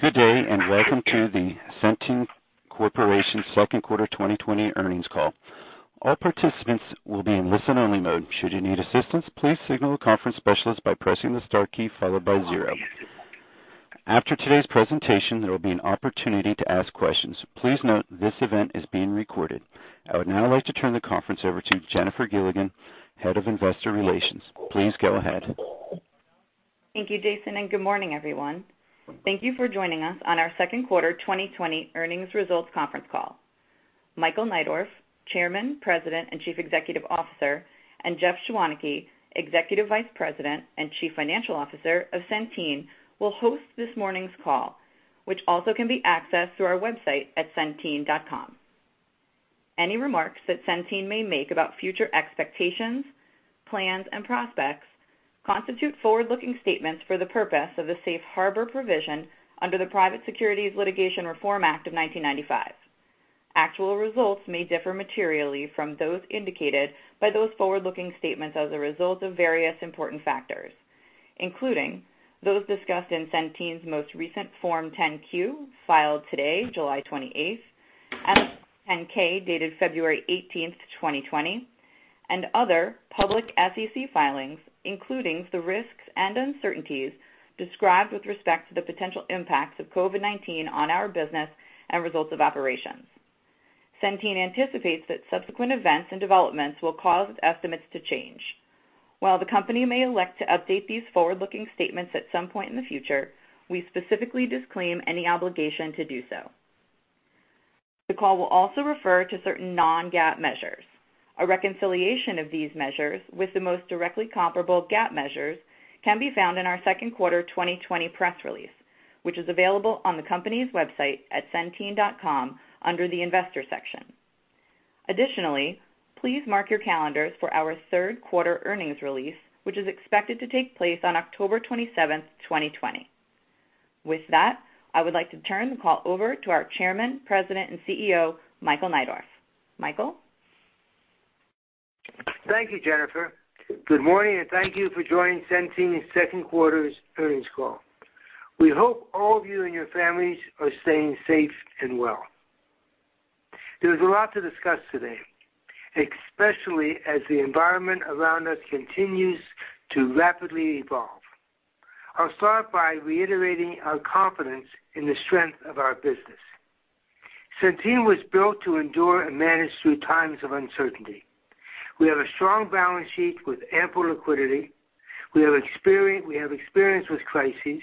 Good day, and welcome to the Centene Corporation second quarter 2020 earnings call. All participants will be in listen-only mode. Should you need assistance, please signal the conference specialist by pressing the star key followed by zero. After today's presentation, there will be an opportunity to ask questions. Please note this event is being recorded. I would now like to turn the conference over to Jennifer Gilligan, Head of Investor Relations. Please go ahead. Thank you, Jason, and good morning, everyone. Thank you for joining us on our second quarter 2020 earnings results conference call. Michael Neidorff, Chairman, President, and Chief Executive Officer, and Jeff Schwaneke, Executive Vice President and Chief Financial Officer of Centene, will host this morning's call, which also can be accessed through our website at centene.com. Any remarks that Centene may make about future expectations, plans and prospects constitute forward-looking statements for the purpose of the safe harbor provision under the Private Securities Litigation Reform Act of 1995. Actual results may differ materially from those indicated by those forward-looking statements as a result of various important factors, including those discussed in Centene's most recent Form 10-Q, filed today, July 28th, and Form 10-K, dated February 18th, 2020, and other public SEC filings, including the risks and uncertainties described with respect to the potential impacts of COVID-19 on our business and results of operations. Centene anticipates that subsequent events and developments will cause its estimates to change. While the company may elect to update these forward-looking statements at some point in the future, we specifically disclaim any obligation to do so. The call will also refer to certain non-GAAP measures. A reconciliation of these measures with the most directly comparable GAAP measures can be found in our second quarter 2020 press release, which is available on the company's website at centene.com under the investor section. Additionally, please mark your calendars for our third quarter earnings release, which is expected to take place on October 27th, 2020. With that, I would like to turn the call over to our Chairman, President, and CEO, Michael Neidorff. Michael? Thank you, Jennifer. Good morning, thank you for joining Centene's second quarter's earnings call. We hope all of you and your families are staying safe and well. There's a lot to discuss today, especially as the environment around us continues to rapidly evolve. I'll start by reiterating our confidence in the strength of our business. Centene was built to endure and manage through times of uncertainty. We have a strong balance sheet with ample liquidity. We have experience with crises.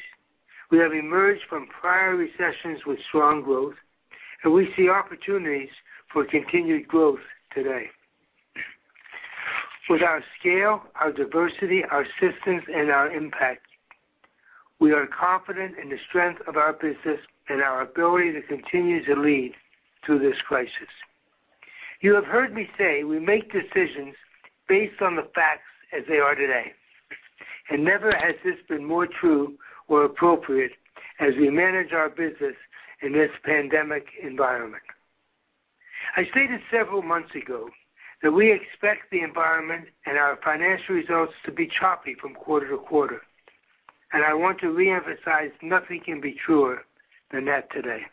We have emerged from prior recessions with strong growth, and we see opportunities for continued growth today. With our scale, our diversity, our systems, and our impact, we are confident in the strength of our business and our ability to continue to lead through this crisis. You have heard me say we make decisions based on the facts as they are today, and never has this been more true or appropriate as we manage our business in this pandemic environment. I stated several months ago that we expect the environment and our financial results to be choppy from quarter-to-quarter, and I want to reemphasize nothing can be truer than that today.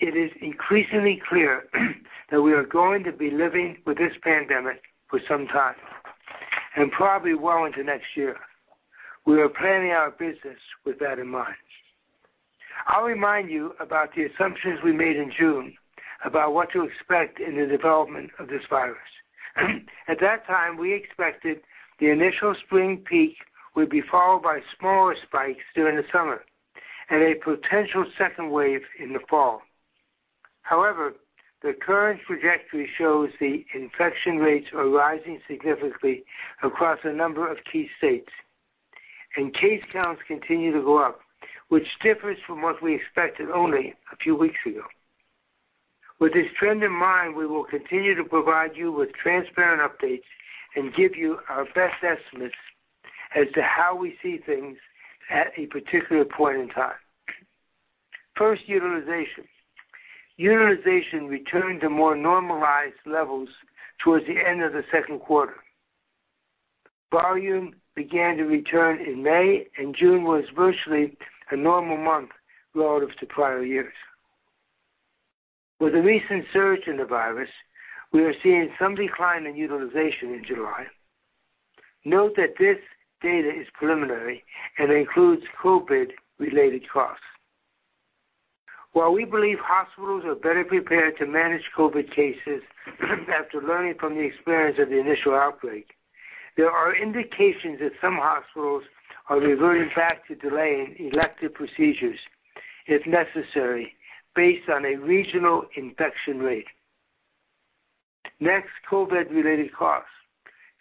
It is increasingly clear that we are going to be living with this pandemic for some time and probably well into next year. We are planning our business with that in mind. I'll remind you about the assumptions we made in June about what to expect in the development of this virus. At that time, we expected the initial spring peak would be followed by smaller spikes during the summer and a potential second wave in the fall. However, the current trajectory shows the infection rates are rising significantly across a number of key states, and case counts continue to go up, which differs from what we expected only a few weeks ago. With this trend in mind, we will continue to provide you with transparent updates and give you our best estimates as to how we see things at a particular point in time. First, utilization. Utilization returned to more normalized levels towards the end of the second quarter. Volume began to return in May, and June was virtually a normal month relative to prior years. With the recent surge in the virus, we are seeing some decline in utilization in July. Note that this data is preliminary and includes COVID-related costs. While we believe hospitals are better prepared to manage COVID cases after learning from the experience of the initial outbreak, there are indications that some hospitals are reverting back to delaying elective procedures if necessary, based on a regional infection rate. COVID-related costs.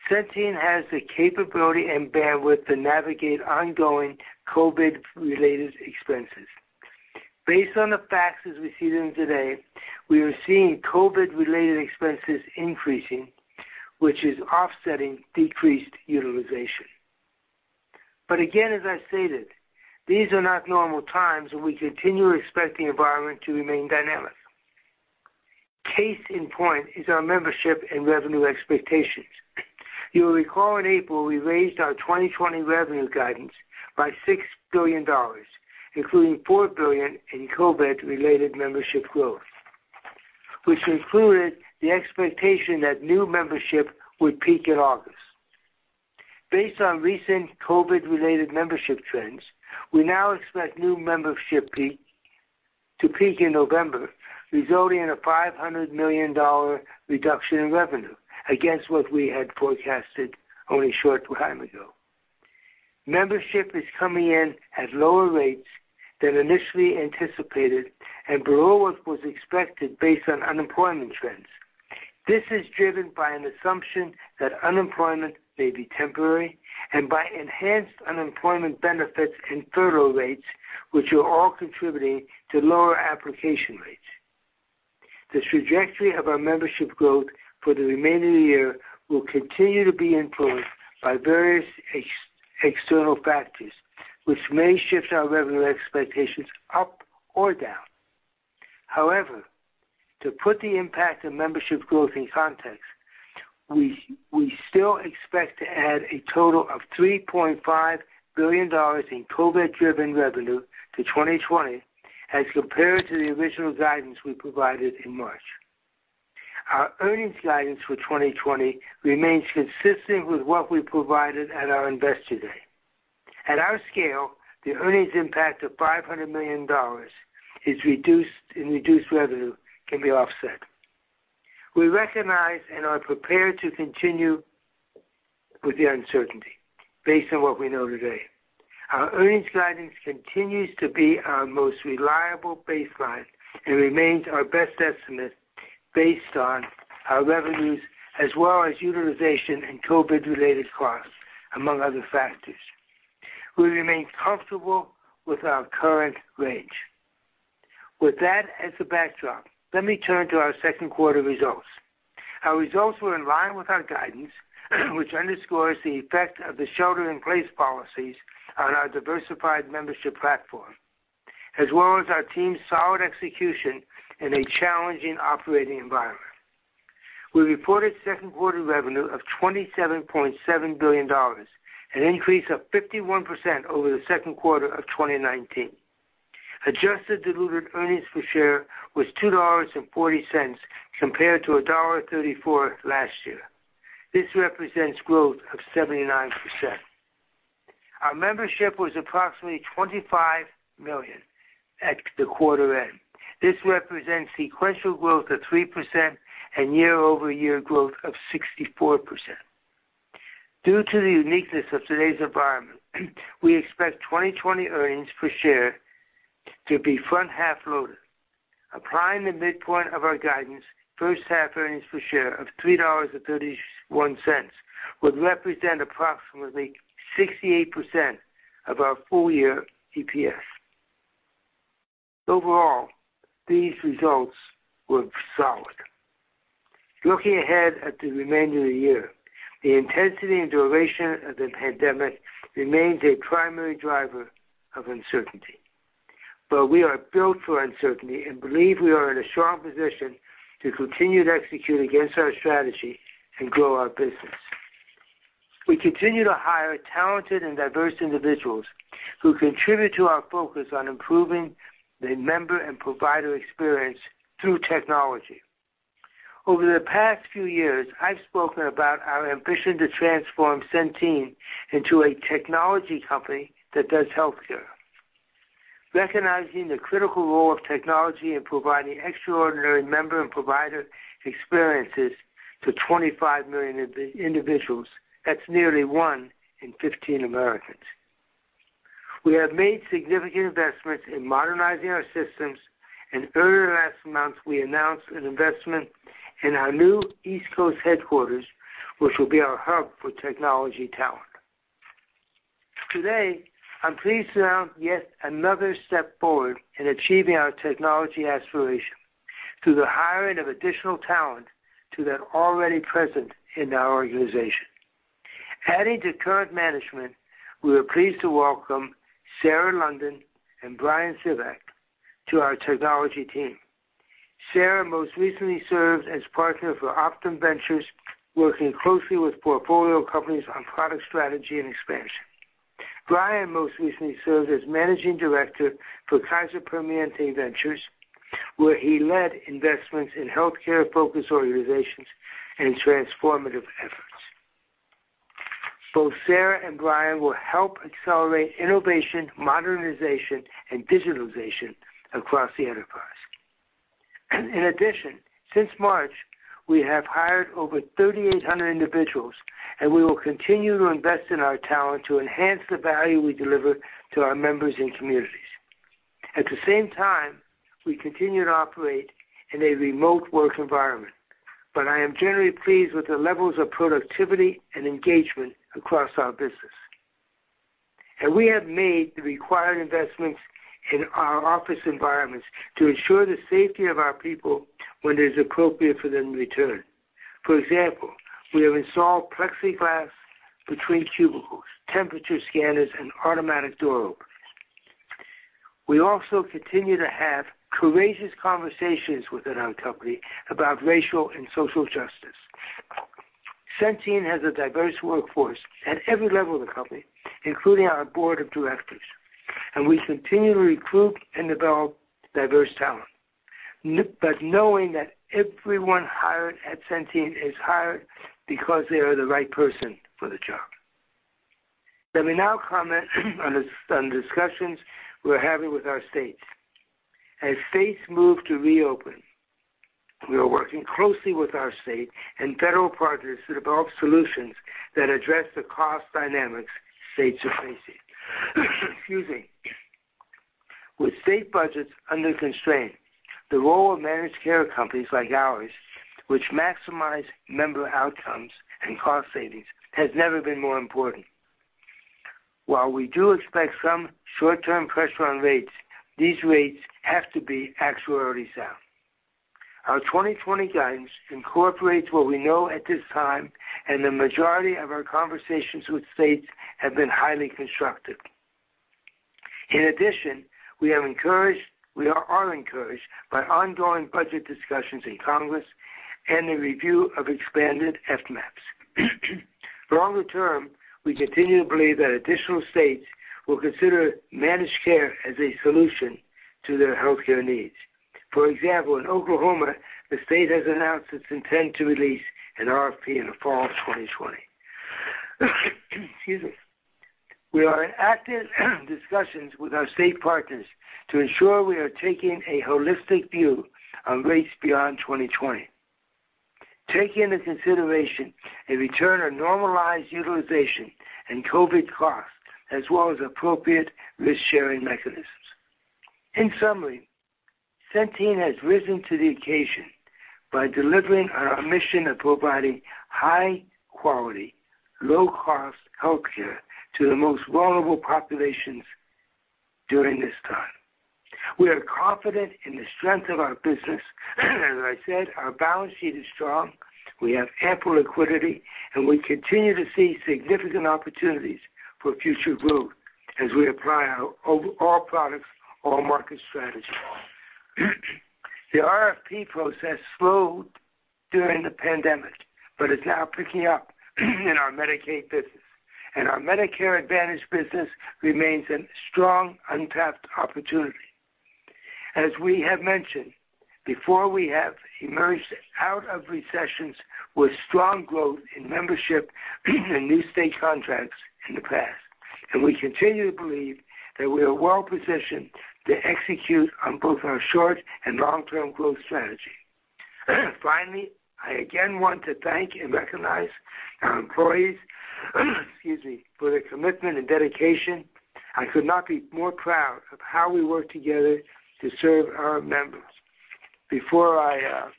Centene has the capability and bandwidth to navigate ongoing COVID-related expenses. Based on the facts as we see them today, we are seeing COVID-related expenses increasing, which is offsetting decreased utilization. Again, as I stated, these are not normal times, and we continue to expect the environment to remain dynamic. Case in point is our membership and revenue expectations. You will recall in April, we raised our 2020 revenue guidance by $6 billion, including $4 billion in COVID-related membership growth. Which included the expectation that new membership would peak in August. Based on recent COVID-related membership trends, we now expect new membership to peak in November, resulting in a $500 million reduction in revenue against what we had forecasted only a short time ago. Membership is coming in at lower rates than initially anticipated and below what was expected based on unemployment trends. This is driven by an assumption that unemployment may be temporary and by enhanced unemployment benefits and federal rates, which are all contributing to lower application rates. The trajectory of our membership growth for the remainder of the year will continue to be influenced by various external factors, which may shift our revenue expectations up or down. However, to put the impact of membership growth in context, we still expect to add a total of $3.5 billion in COVID-driven revenue to 2020 as compared to the original guidance we provided in March. Our earnings guidance for 2020 remains consistent with what we provided at our Investor Day. At our scale, the earnings impact of $500 million in reduced revenue can be offset. We recognize and are prepared to continue with the uncertainty based on what we know today. Our earnings guidance continues to be our most reliable baseline and remains our best estimate based on our revenues as well as utilization and COVID-related costs, among other factors. We remain comfortable with our current range. With that as the backdrop, let me turn to our second quarter results. Our results were in line with our guidance, which underscores the effect of the shelter in place policies on our diversified membership platform, as well as our team's solid execution in a challenging operating environment. We reported second quarter revenue of $27.7 billion, an increase of 51% over the second quarter of 2019. Adjusted diluted earnings per share was $2.40 compared to $1.34 last year. This represents growth of 79%. Our membership was approximately 25 million at the quarter end. This represents sequential growth of 3% and year-over-year growth of 64%. Due to the uniqueness of today's environment, we expect 2020 earnings per share to be front-half loaded. Applying the midpoint of our guidance, first half earnings per share of $3.31 would represent approximately 68% of our full-year EPS. Overall, these results were solid. Looking ahead at the remainder of the year, the intensity and duration of the pandemic remains a primary driver of uncertainty. We are built for uncertainty and believe we are in a strong position to continue to execute against our strategy and grow our business. We continue to hire talented and diverse individuals who contribute to our focus on improving the member and provider experience through technology. Over the past few years, I've spoken about our ambition to transform Centene into a technology company that does healthcare. Recognizing the critical role of technology in providing extraordinary member and provider experiences to 25 million individuals. That's nearly one in 15 Americans. We have made significant investments in modernizing our systems, and earlier last month, we announced an investment in our new East Coast headquarters, which will be our hub for technology talent. Today, I'm pleased to announce yet another step forward in achieving our technology aspiration through the hiring of additional talent to that already present in our organization. Adding to current management, we are pleased to welcome Sarah London and Bryan Sivak to our technology team. Sarah most recently served as Partner for Optum Ventures, working closely with portfolio companies on product strategy and expansion. Bryan most recently served as Managing Director for Kaiser Permanente Ventures, where he led investments in healthcare-focused organizations and transformative efforts. Both Sarah and Bryan will help accelerate innovation, modernization, and digitalization across the enterprise. In addition, since March, we have hired over 3,800 individuals, and we will continue to invest in our talent to enhance the value we deliver to our members and communities. At the same time, we continue to operate in a remote work environment, but I am generally pleased with the levels of productivity and engagement across our business. We have made the required investments in our office environments to ensure the safety of our people when it is appropriate for them to return. For example, we have installed plexiglass between cubicles, temperature scanners, and automatic doors. We also continue to have courageous conversations within our company about racial and social justice. Centene has a diverse workforce at every level of the company, including our board of directors. We continue to recruit and develop diverse talent. Knowing that everyone hired at Centene is hired because they are the right person for the job. Let me now comment on discussions we're having with our states. As states move to reopen, we are working closely with our state and federal partners to develop solutions that address the cost dynamics states are facing. Excuse me. With state budgets under constraint, the role of managed care companies like ours, which maximize member outcomes and cost savings, has never been more important. While we do expect some short-term pressure on rates, these rates have to be actuarially sound. Our 2020 guidance incorporates what we know at this time, and the majority of our conversations with states have been highly constructive. We are encouraged by ongoing budget discussions in Congress and the review of expanded FMAPs. Longer term, we continue to believe that additional states will consider managed care as a solution to their healthcare needs. For example, in Oklahoma, the state has announced its intent to release an RFP in the Fall of 2020. Excuse me. We are in active discussions with our state partners to ensure we are taking a holistic view on rates beyond 2020. Taking into consideration a return or normalized utilization and COVID costs, as well as appropriate risk-sharing mechanisms. Centene has risen to the occasion by delivering on our mission of providing high-quality, low-cost healthcare to the most vulnerable populations during this time. We are confident in the strength of our business. As I said, our balance sheet is strong, we have ample liquidity, and we continue to see significant opportunities for future growth as we apply our all products, all markets strategy. The RFP process slowed during the pandemic, but is now picking up in our Medicaid business. Our Medicare Advantage business remains a strong untapped opportunity. As we have mentioned before, we have emerged out of recessions with strong growth in membership and new state contracts in the past. We continue to believe that we are well-positioned to execute on both our short and long-term growth strategy. Finally, I again want to thank and recognize our employees - excuse me, for their commitment and dedication. I could not be more proud of how we work together to serve our members. Before I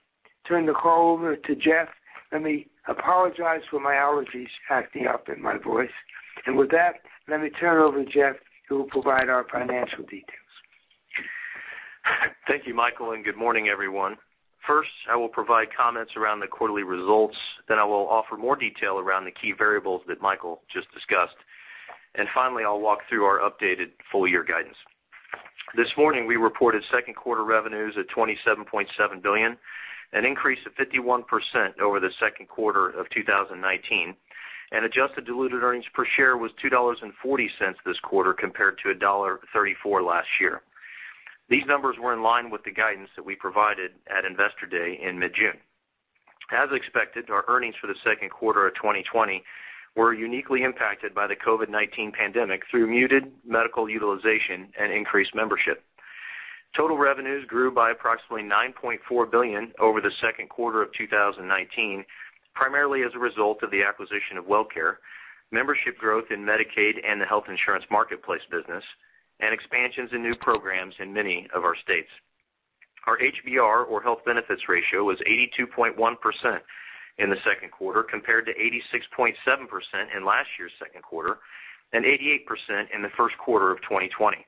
turn the call over to Jeff, let me apologize for my allergies acting up in my voice. With that, let me turn it over to Jeff, who will provide our financial details. Thank you, Michael, and good morning, everyone. First, I will provide comments around the quarterly results. Then I will offer more detail around the key variables that Michael just discussed. Finally, I'll walk through our updated full-year guidance. This morning, we reported second quarter revenues of $27.7 billion, an increase of 51% over the second quarter of 2019. Adjusted diluted earnings per share was $2.40 this quarter, compared to $1.34 last year. These numbers were in line with the guidance that we provided at Investor Day in mid-June. As expected, our earnings for the second quarter of 2020 were uniquely impacted by the COVID-19 pandemic through muted medical utilization and increased membership. Total revenues grew by approximately $9.4 billion over the second quarter of 2019, primarily as a result of the acquisition of WellCare, membership growth in Medicaid and the Health Insurance Marketplace business, and expansions in new programs in many of our states. Our HBR or health benefits ratio was 82.1% in the second quarter, compared to 86.7% in last year's second quarter, and 88% in the first quarter of 2020.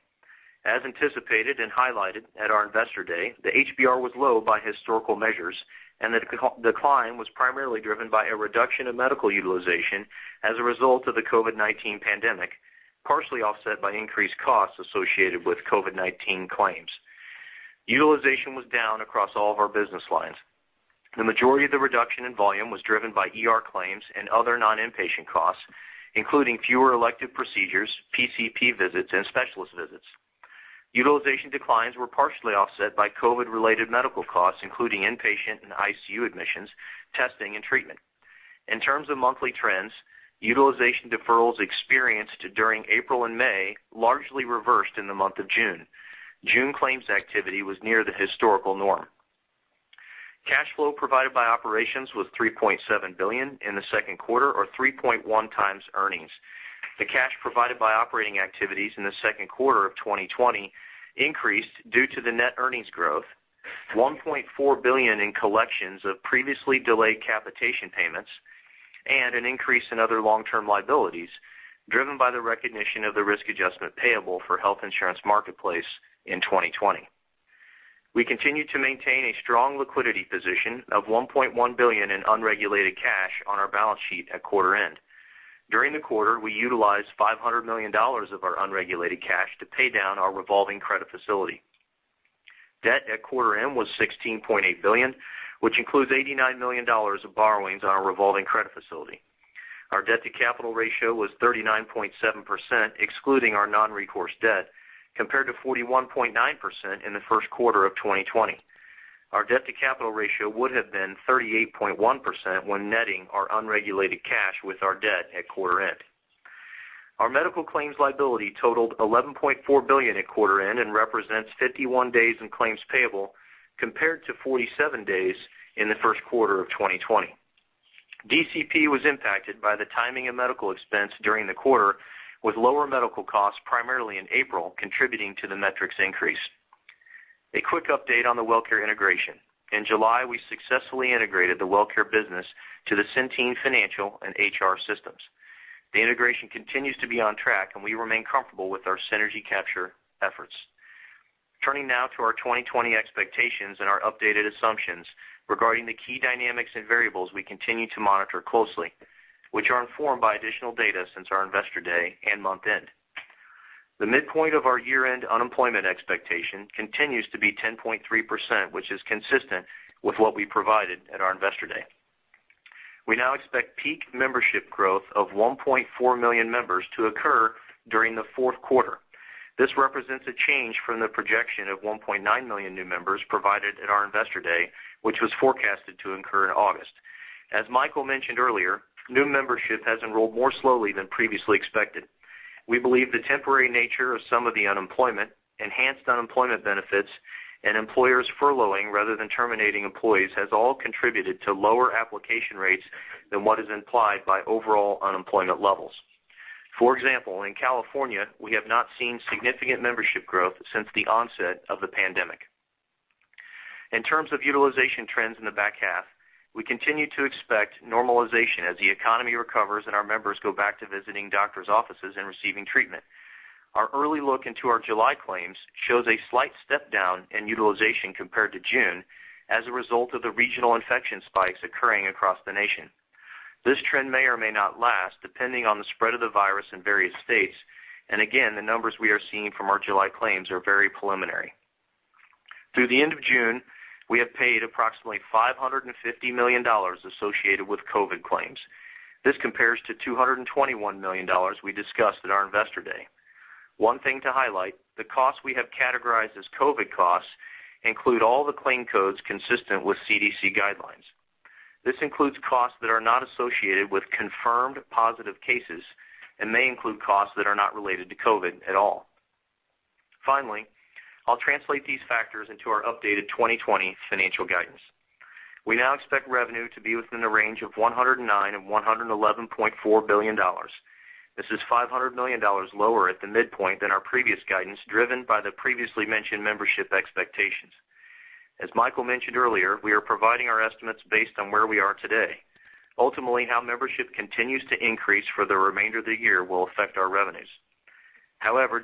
As anticipated and highlighted at our Investor Day, the HBR was low by historical measures, and the decline was primarily driven by a reduction in medical utilization as a result of the COVID-19 pandemic, partially offset by increased costs associated with COVID-19 claims. Utilization was down across all of our business lines. The majority of the reduction in volume was driven by ER claims and other non-inpatient costs, including fewer elective procedures, PCP visits, and specialist visits. Utilization declines were partially offset by COVID-related medical costs, including inpatient and ICU admissions, testing, and treatment. In terms of monthly trends, utilization deferrals experienced during April and May largely reversed in the month of June. June claims activity was near the historical norm. Cash flow provided by operations was $3.7 billion in the second quarter or 3.1x earnings. The cash provided by operating activities in the second quarter of 2020 increased due to the net earnings growth, $1.4 billion in collections of previously delayed capitation payments, and an increase in other long-term liabilities driven by the recognition of the risk adjustment payable for Health Insurance Marketplace in 2020. We continue to maintain a strong liquidity position of $1.1 billion in unregulated cash on our balance sheet at quarter end. During the quarter, we utilized $500 million of our unregulated cash to pay down our revolving credit facility. Debt at quarter end was $16.8 billion, which includes $89 million of borrowings on our revolving credit facility. Our debt to capital ratio was 39.7%, excluding our non-recourse debt, compared to 41.9% in the first quarter of 2020. Our debt to capital ratio would have been 38.1% when netting our unregulated cash with our debt at quarter end. Our medical claims liability totaled $11.4 billion at quarter end and represents 51 days in claims payable, compared to 47 days in the first quarter of 2020. DCP was impacted by the timing of medical expense during the quarter, with lower medical costs primarily in April, contributing to the metrics increase. A quick update on the WellCare integration. In July, we successfully integrated the WellCare business to the Centene financial and HR systems. The integration continues to be on track, and we remain comfortable with our synergy capture efforts. Turning now to our 2020 expectations and our updated assumptions regarding the key dynamics and variables we continue to monitor closely, which are informed by additional data since our Investor Day and month-end. The midpoint of our year-end unemployment expectation continues to be 10.3%, which is consistent with what we provided at our Investor Day. We now expect peak membership growth of 1.4 million members to occur during the fourth quarter. This represents a change from the projection of 1.9 million new members provided at our Investor Day, which was forecasted to incur in August. As Michael mentioned earlier, new membership has enrolled more slowly than previously expected. We believe the temporary nature of some of the unemployment, enhanced unemployment benefits, and employers furloughing rather than terminating employees has all contributed to lower application rates than what is implied by overall unemployment levels. For example, in California, we have not seen significant membership growth since the onset of the pandemic. In terms of utilization trends in the back half, we continue to expect normalization as the economy recovers and our members go back to visiting doctor's offices and receiving treatment. Our early look into our July claims shows a slight step down in utilization compared to June as a result of the regional infection spikes occurring across the nation. This trend may or may not last, depending on the spread of the virus in various states. Again, the numbers we are seeing from our July claims are very preliminary. Through the end of June, we have paid approximately $550 million associated with COVID claims. This compares to $221 million we discussed at our Investor Day. One thing to highlight, the cost we have categorized as COVID costs include all the claim codes consistent with CDC guidelines. This includes costs that are not associated with confirmed positive cases and may include costs that are not related to COVID at all. I'll translate these factors into our updated 2020 financial guidance. We now expect revenue to be within the range of $109 and $111.4 billion. This is $500 million lower at the midpoint than our previous guidance, driven by the previously mentioned membership expectations. As Michael mentioned earlier, we are providing our estimates based on where we are today. Ultimately, how membership continues to increase for the remainder of the year will affect our revenues.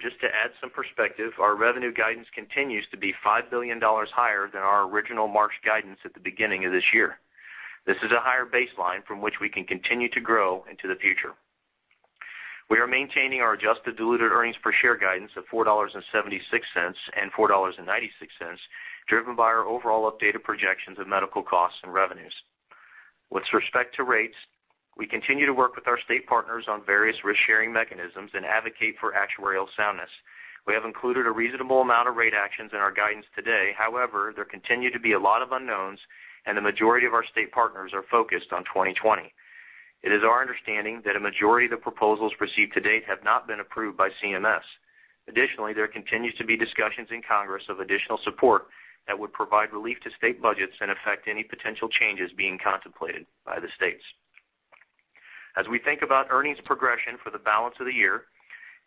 Just to add some perspective, our revenue guidance continues to be $5 billion higher than our original March guidance at the beginning of this year. This is a higher baseline from which we can continue to grow into the future. We are maintaining our adjusted diluted earnings per share guidance of $4.76 and $4.96, driven by our overall updated projections of medical costs and revenues. With respect to rates, we continue to work with our state partners on various risk-sharing mechanisms and advocate for actuarial soundness. We have included a reasonable amount of rate actions in our guidance today. However, there continue to be a lot of unknowns, and the majority of our state partners are focused on 2020. It is our understanding that a majority of the proposals received to date have not been approved by CMS. Additionally, there continues to be discussions in Congress of additional support that would provide relief to state budgets and affect any potential changes being contemplated by the states. As we think about earnings progression for the balance of the year,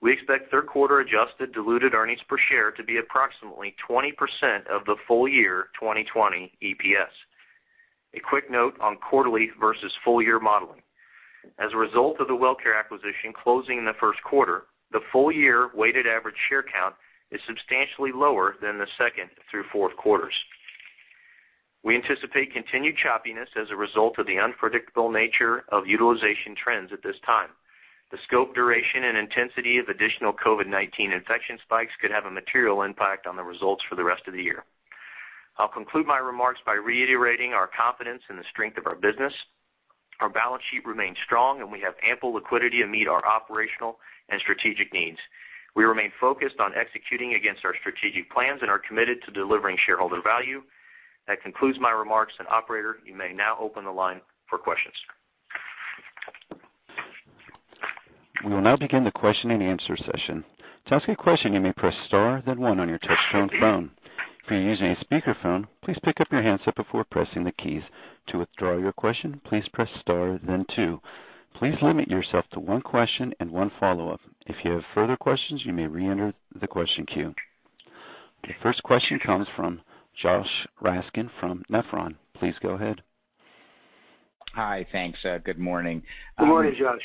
we expect third quarter adjusted diluted earnings per share to be approximately 20% of the full year 2020 EPS. A quick note on quarterly versus full year modeling. As a result of the WellCare acquisition closing in the first quarter, the full year weighted average share count is substantially lower than the second through fourth quarters. We anticipate continued choppiness as a result of the unpredictable nature of utilization trends at this time. The scope, duration, and intensity of additional COVID-19 infection spikes could have a material impact on the results for the rest of the year. I'll conclude my remarks by reiterating our confidence in the strength of our business. Our balance sheet remains strong, and we have ample liquidity to meet our operational and strategic needs. We remain focused on executing against our strategic plans and are committed to delivering shareholder value. That concludes my remarks, and operator, you may now open the line for questions. We will now begin the question-and-answer session. To ask a question, you may press star, then one on your touchtone phone. If you're using a speakerphone, please pick up your handset before pressing the keys. To withdraw your question, please press star, then two. Please limit yourself to one question and one follow-up. If you have further questions, you may reenter the question queue. The first question comes from Josh Raskin from Nephron. Please go ahead. Hi, thanks. Good morning. Good morning, Josh.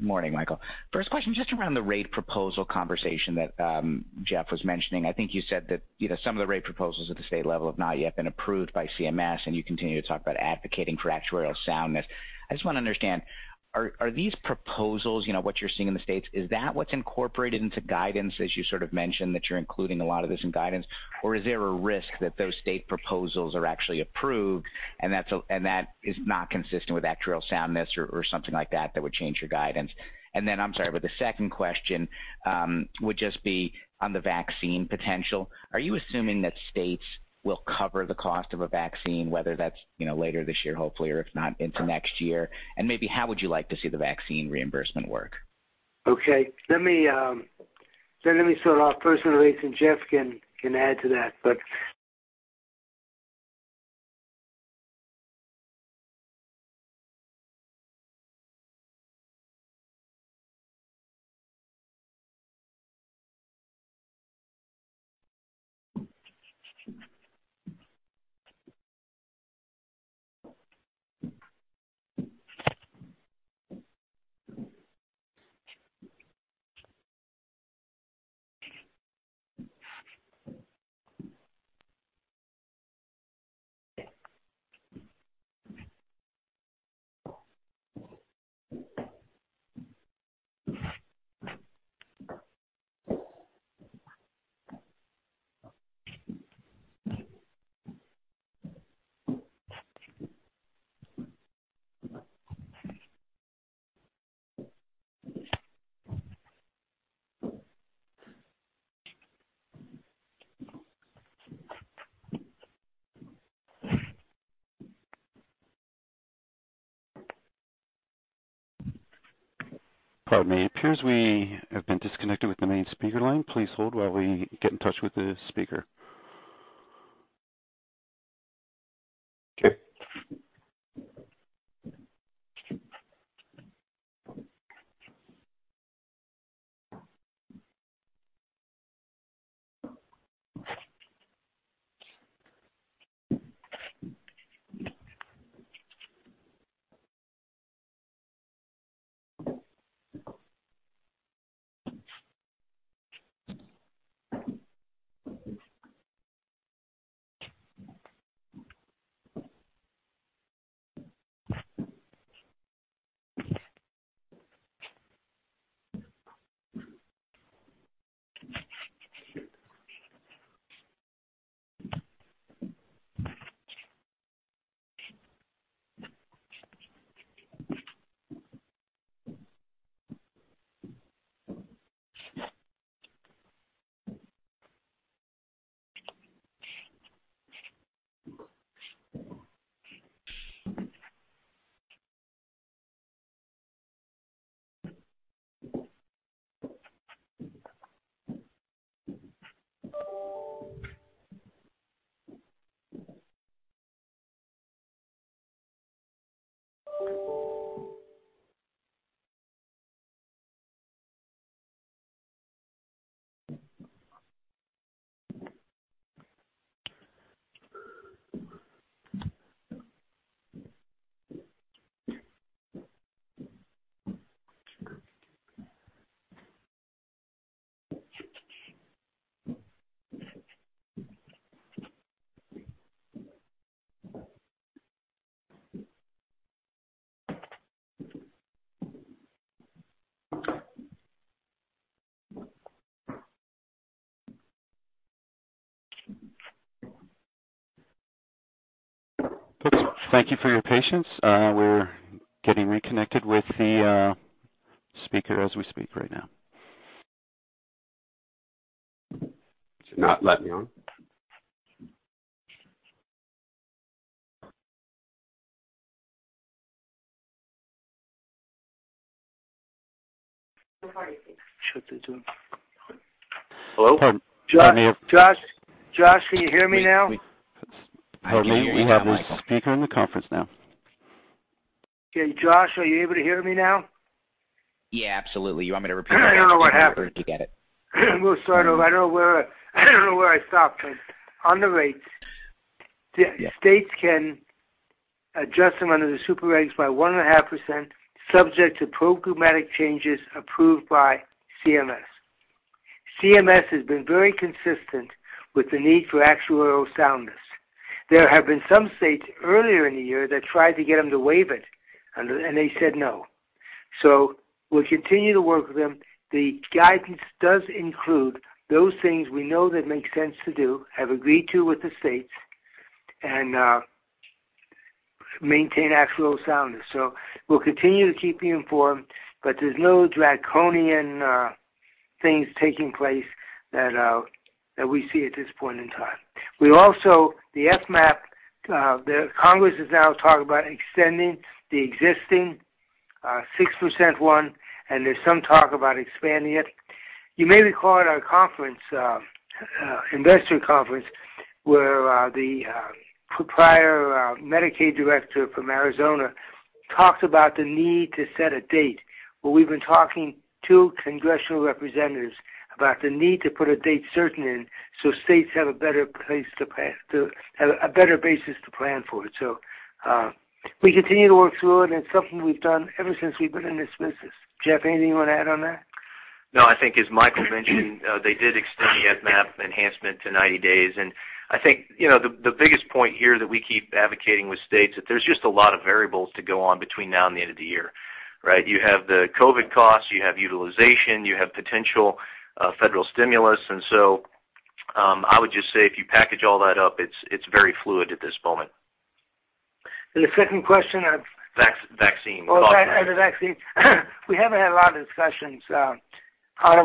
Morning, Michael. First question, just around the rate proposal conversation that Jeff was mentioning. I think you said that some of the rate proposals at the state level have not yet been approved by CMS, and you continue to talk about advocating for actuarial soundness. I just want to understand, are these proposals, what you're seeing in the states, is that what's incorporated into guidance as you sort of mentioned that you're including a lot of this in guidance? Is there a risk that those state proposals are actually approved and that is not consistent with actuarial soundness or something like that would change your guidance? I'm sorry, but the second question would just be on the vaccine potential. Are you assuming that states will cover the cost of a vaccine, whether that's later this year, hopefully, or if not, into next year? Maybe how would you like to see the vaccine reimbursement work? Okay. Let me start off personally, and Jeff can add to that. Pardon me. It appears we have been disconnected with the main speaker line. Please hold while we get in touch with the speaker. Okay. Thank you for your patience. We're getting reconnected with the speaker as we speak right now. Is it not letting me on? Josh, can you hear me now? We have the speaker on the conference now. Okay, Josh, are you able to hear me now? Yeah, absolutely. You want me to repeat? I don't know what happened. Did you get it? We'll start over. I don't know where I stopped. On the rates. States can adjust them under the super regs by 1.5%, subject to programmatic changes approved by CMS. CMS has been very consistent with the need for actuarial soundness. There have been some states earlier in the year that tried to get them to waive it, they said no. We'll continue to work with them. The guidance does include those things we know that make sense to do, have agreed to with the states, and maintain actuarial soundness. We'll continue to keep you informed, there's no draconian things taking place that we see at this point in time. The FMAP, the Congress is now talking about extending the existing 6% one, there's some talk about expanding it. You may recall at our Investor Conference, where the prior Medicaid director from Arizona talks about the need to set a date, where we've been talking to congressional representatives about the need to put a date certain in, so states have a better basis to plan for it. We continue to work through it, and it's something we've done ever since we've been in this business. Jeff, anything you want to add on that? No, I think as Michael mentioned, they did extend the FMAP enhancement to 90 days. I think the biggest point here that we keep advocating with states, that there's just a lot of variables to go on between now and the end of the year, right? You have the COVID costs, you have utilization, you have potential federal stimulus. I would just say, if you package all that up, it's very fluid at this moment. The second question. Vaccine thought. The vaccine. We haven't had a lot of discussions.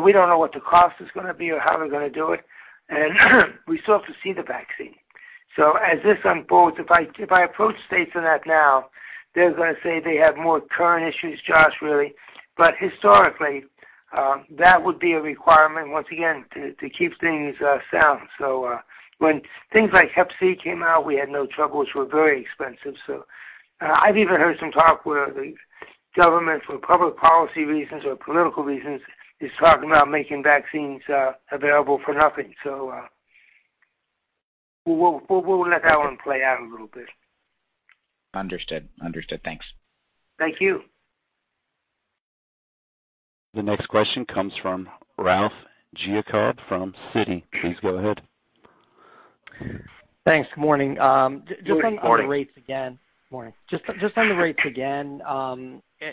We don't know what the cost is going to be or how we're going to do it, and we still have to see the vaccine. As this unfolds, if I approach states on that now, they're going to say they have more current issues, Josh, really. Historically, that would be a requirement once again to keep things sound. When things like hep C came out, we had no trouble, which were very expensive. I've even heard some talk where the government, for public policy reasons or political reasons, is talking about making vaccines available for nothing. We'll let that one play out a little bit. Understood. Thanks. Thank you. The next question comes from Ralph Giacobbe from Citi. Please go ahead. Thanks. Good morning. Good morning. Just on the rates again. Morning. Just on the rates again,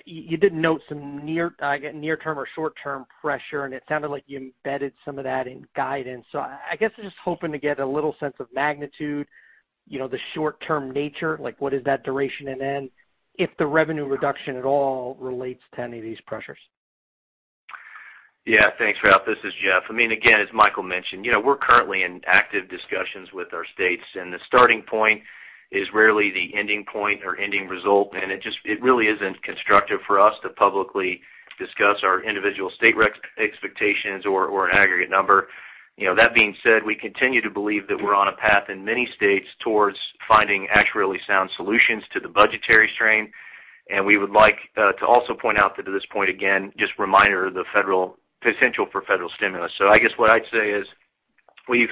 you did note some near-term or short-term pressure, and it sounded like you embedded some of that in guidance. I guess just hoping to get a little sense of magnitude, the short-term nature, like what is that duration and end, if the revenue reduction at all relates to any of these pressures? Yeah, thanks, Ralph. This is Jeff. Again, as Michael mentioned, we're currently in active discussions with our states. The starting point is rarely the ending point or ending result. It really isn't constructive for us to publicly discuss our individual state expectations or an aggregate number. That being said, we continue to believe that we're on a path in many states towards finding actuarially sound solutions to the budgetary strain. We would like to also point out that at this point, again, just a reminder of the potential for federal stimulus. I guess what I'd say is we've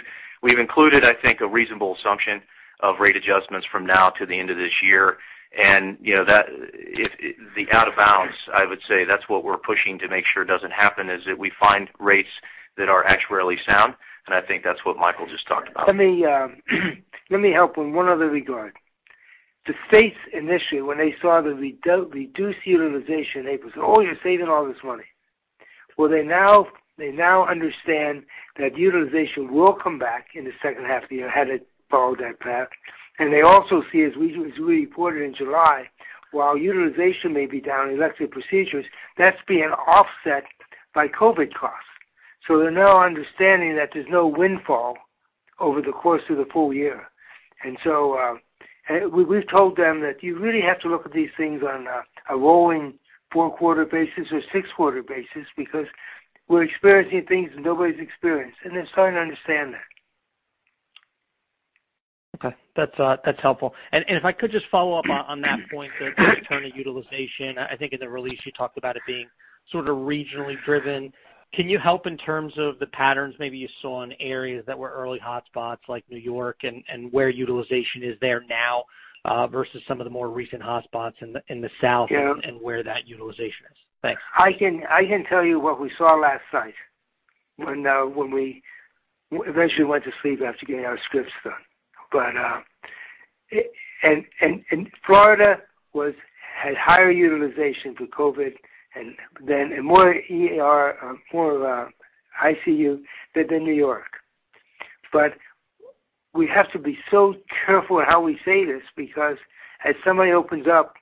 included, I think, a reasonable assumption of rate adjustments from now to the end of this year, and the out of bounds, I would say that's what we're pushing to make sure doesn't happen, is that we find rates that are actuarially sound, and I think that's what Michael just talked about. Let me help in one other regard. The states initially, when they saw the reduced utilization, they said, "Oh, you're saving all this money." Well, they now understand that utilization will come back in the second half of the year had it followed that path. They also see, as we reported in July, while utilization may be down in elective procedures, that's being offset by COVID costs. They're now understanding that there's no windfall over the course of the full year. We've told them that you really have to look at these things on a rolling four-quarter basis or six-quarter basis because we're experiencing things that nobody's experienced, and they're starting to understand that. Okay. That's helpful. If I could just follow up on that point there, in terms of utilization, I think in the release you talked about it being sort of regionally driven. Can you help in terms of the patterns maybe you saw in areas that were early hotspots like New York and where utilization is there now versus some of the more recent hotspots in the South? Yeah Where that utilization is? Thanks. I can tell you what we saw last night when we eventually went to sleep after getting our scripts done. Florida had higher utilization through COVID-19 and more ICU than did New York. We have to be so careful how we say this, because as somebody opens up,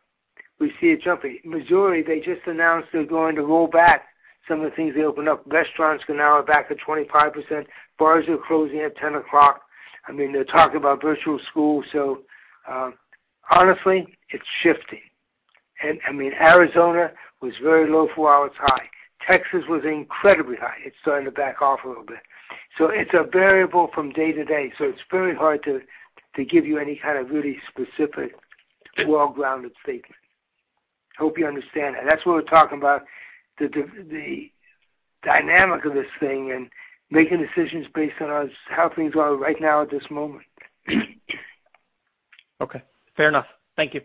we see it jumping. Missouri, they just announced they're going to roll back some of the things they opened up. Restaurants can now go back to 25%. Bars are closing at 10:00. They're talking about virtual school. Honestly, it's shifting. Arizona was very low for while it's high. Texas was incredibly high. It's starting to back off a little bit. It's a variable from day to day. It's very hard to give you any kind of really specific, well-grounded statement. Hope you understand that. That's what we're talking about, the dynamic of this thing and making decisions based on how things are right now at this moment. Okay. Fair enough. Thank you.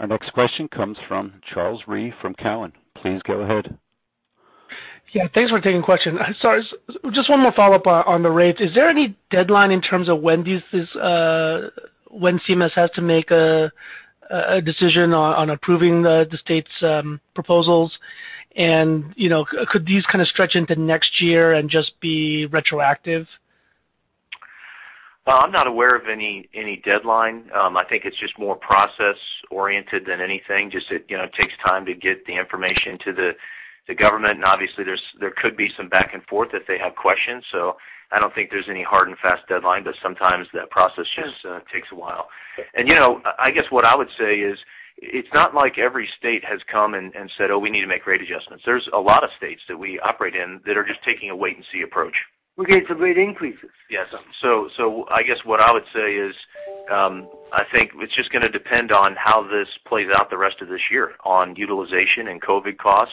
Our next question comes from Charles Rhyee from Cowen. Please go ahead. Yeah, thanks for taking the question. Sorry, just one more follow-up on the rates. Is there any deadline in terms of when CMS has to make a decision on approving the state's proposals? Could these kind of stretch into next year and just be retroactive? Well, I'm not aware of any deadline. I think it's just more process-oriented than anything. Just it takes time to get the information to the government, and obviously there could be some back and forth if they have questions. I don't think there's any hard and fast deadline, but sometimes that process just takes a while. I guess what I would say is. It's not like every state has come and said, "Oh, we need to make rate adjustments." There's a lot of states that we operate in that are just taking a wait and see approach. We get some rate increases. Yes. I guess what I would say is, I think it's just going to depend on how this plays out the rest of this year on utilization and COVID costs.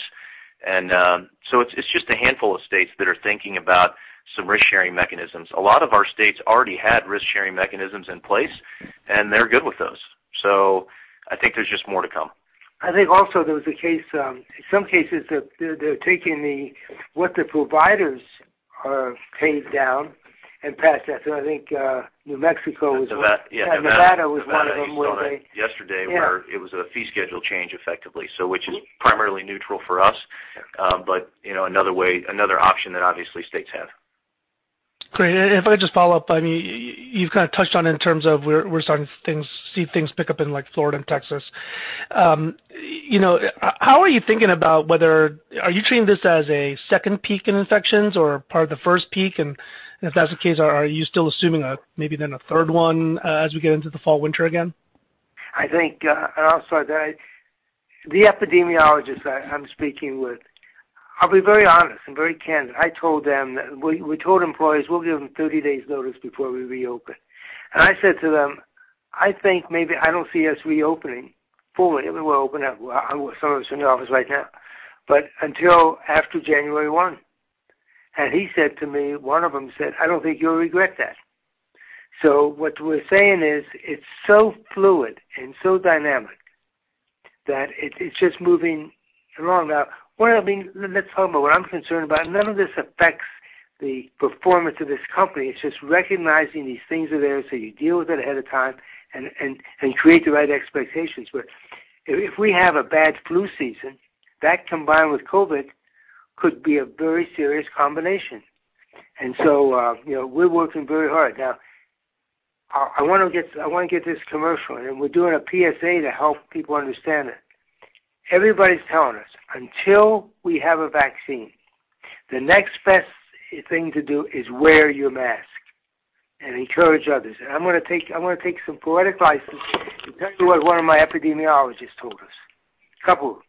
It's just a handful of states that are thinking about some risk-sharing mechanisms. A lot of our states already had risk-sharing mechanisms in place, and they're good with those. I think there's just more to come. I think also there was a case, in some cases, they're taking what the providers have paid down and passed that. I think New Mexico was. Yeah, Nevada was one of them where they- Yesterday. Yeah it was a fee schedule change effectively, so which is primarily neutral for us. Another option that obviously states have. Great. If I just follow up, you've kind of touched on it in terms of we're starting to see things pick up in like Florida and Texas. How are you thinking about, are you treating this as a second peak in infections or part of the first peak? If that's the case, are you still assuming maybe then a third one as we get into the fall, winter again? I think, also the epidemiologists I'm speaking with, I'll be very honest and very candid, we told employees we'll give them 30 days notice before we reopen. I said to them, "I think maybe I don't see us reopening fully." We'll open up, some of us in the office right now, but until after January 1. He said to me, one of them said, "I don't think you'll regret that." What we're saying is, it's so fluid and so dynamic that it's just moving along. Now, what I mean, let's talk about what I'm concerned about. None of this affects the performance of this company. It's just recognizing these things are there, so you deal with it ahead of time and create the right expectations. If we have a bad flu season, that combined with COVID, could be a very serious combination. We're working very hard. Now, I want to get this commercial, and we're doing a PSA to help people understand it. Everybody's telling us, until we have a vaccine, the next best thing to do is wear your mask and encourage others. I'm going to take some poetic license and tell you what one of my epidemiologists told us. A couple.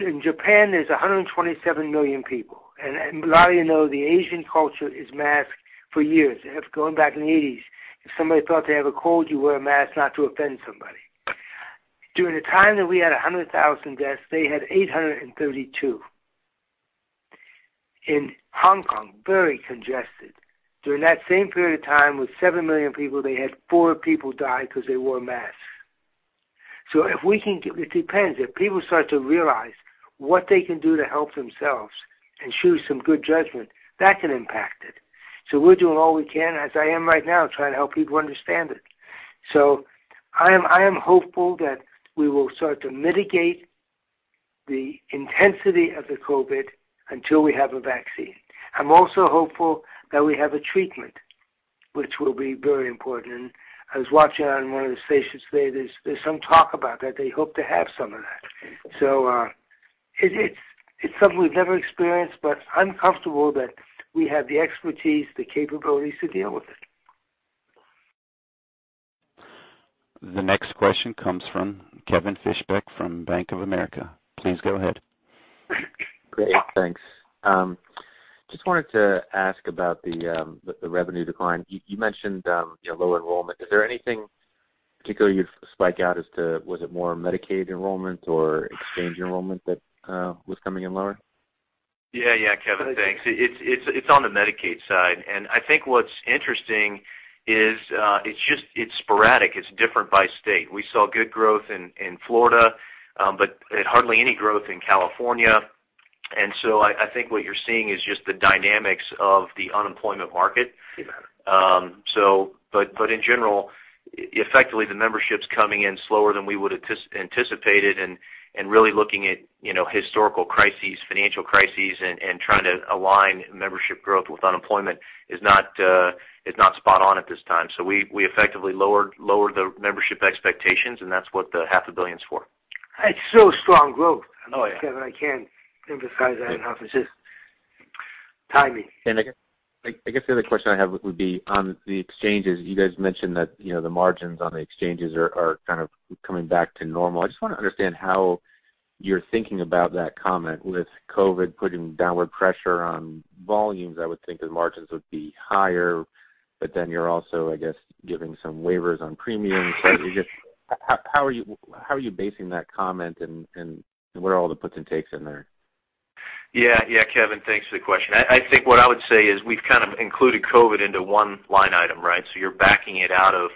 In Japan, there's 127 million people, and a lot of you know the Asian culture is mask for years. Going back in the 1980s, if somebody thought they have a cold, you wear a mask not to offend somebody. During the time that we had 100,000 deaths, they had 832. In Hong Kong, very congested, during that same period of time, with 7 million people, they had four people die because they wore masks. It depends, if people start to realize what they can do to help themselves and choose some good judgment, that can impact it. We're doing all we can, as I am right now, trying to help people understand it. I am hopeful that we will start to mitigate the intensity of the COVID until we have a vaccine. I'm also hopeful that we have a treatment, which will be very important, and I was watching on one of the stations today, there's some talk about that. They hope to have some of that. It's something we've never experienced, but I'm comfortable that we have the expertise, the capabilities to deal with it. The next question comes from Kevin Fischbeck from Bank of America. Please go ahead. Great. Thanks. Just wanted to ask about the revenue decline. You mentioned lower enrollment. Is there anything particular you'd spike out as to, was it more Medicaid enrollment or exchange enrollment that was coming in lower? Yeah, Kevin, thanks. It's on the Medicaid side, and I think what's interesting is, it's sporadic. It's different by state. We saw good growth in Florida, but hardly any growth in California. I think what you're seeing is just the dynamics of the unemployment market. Yeah. In general, effectively, the membership's coming in slower than we would anticipated, and really looking at historical crises, financial crises, and trying to align membership growth with unemployment is not spot on at this time. We effectively lowered the membership expectations, and that's what the half a billion's for. It's still strong growth. Oh, yeah. Kevin, I can't emphasize that enough. I guess the other question I have would be on the exchanges. You guys mentioned that the margins on the exchanges are kind of coming back to normal. I just want to understand how you're thinking about that comment. With COVID putting downward pressure on volumes, I would think the margins would be higher, but then you're also, I guess, giving some waivers on premiums. How are you basing that comment and where are all the puts and takes in there? Kevin, thanks for the question. I think what I would say is we've kind of included COVID into one line item, right? You're backing it out of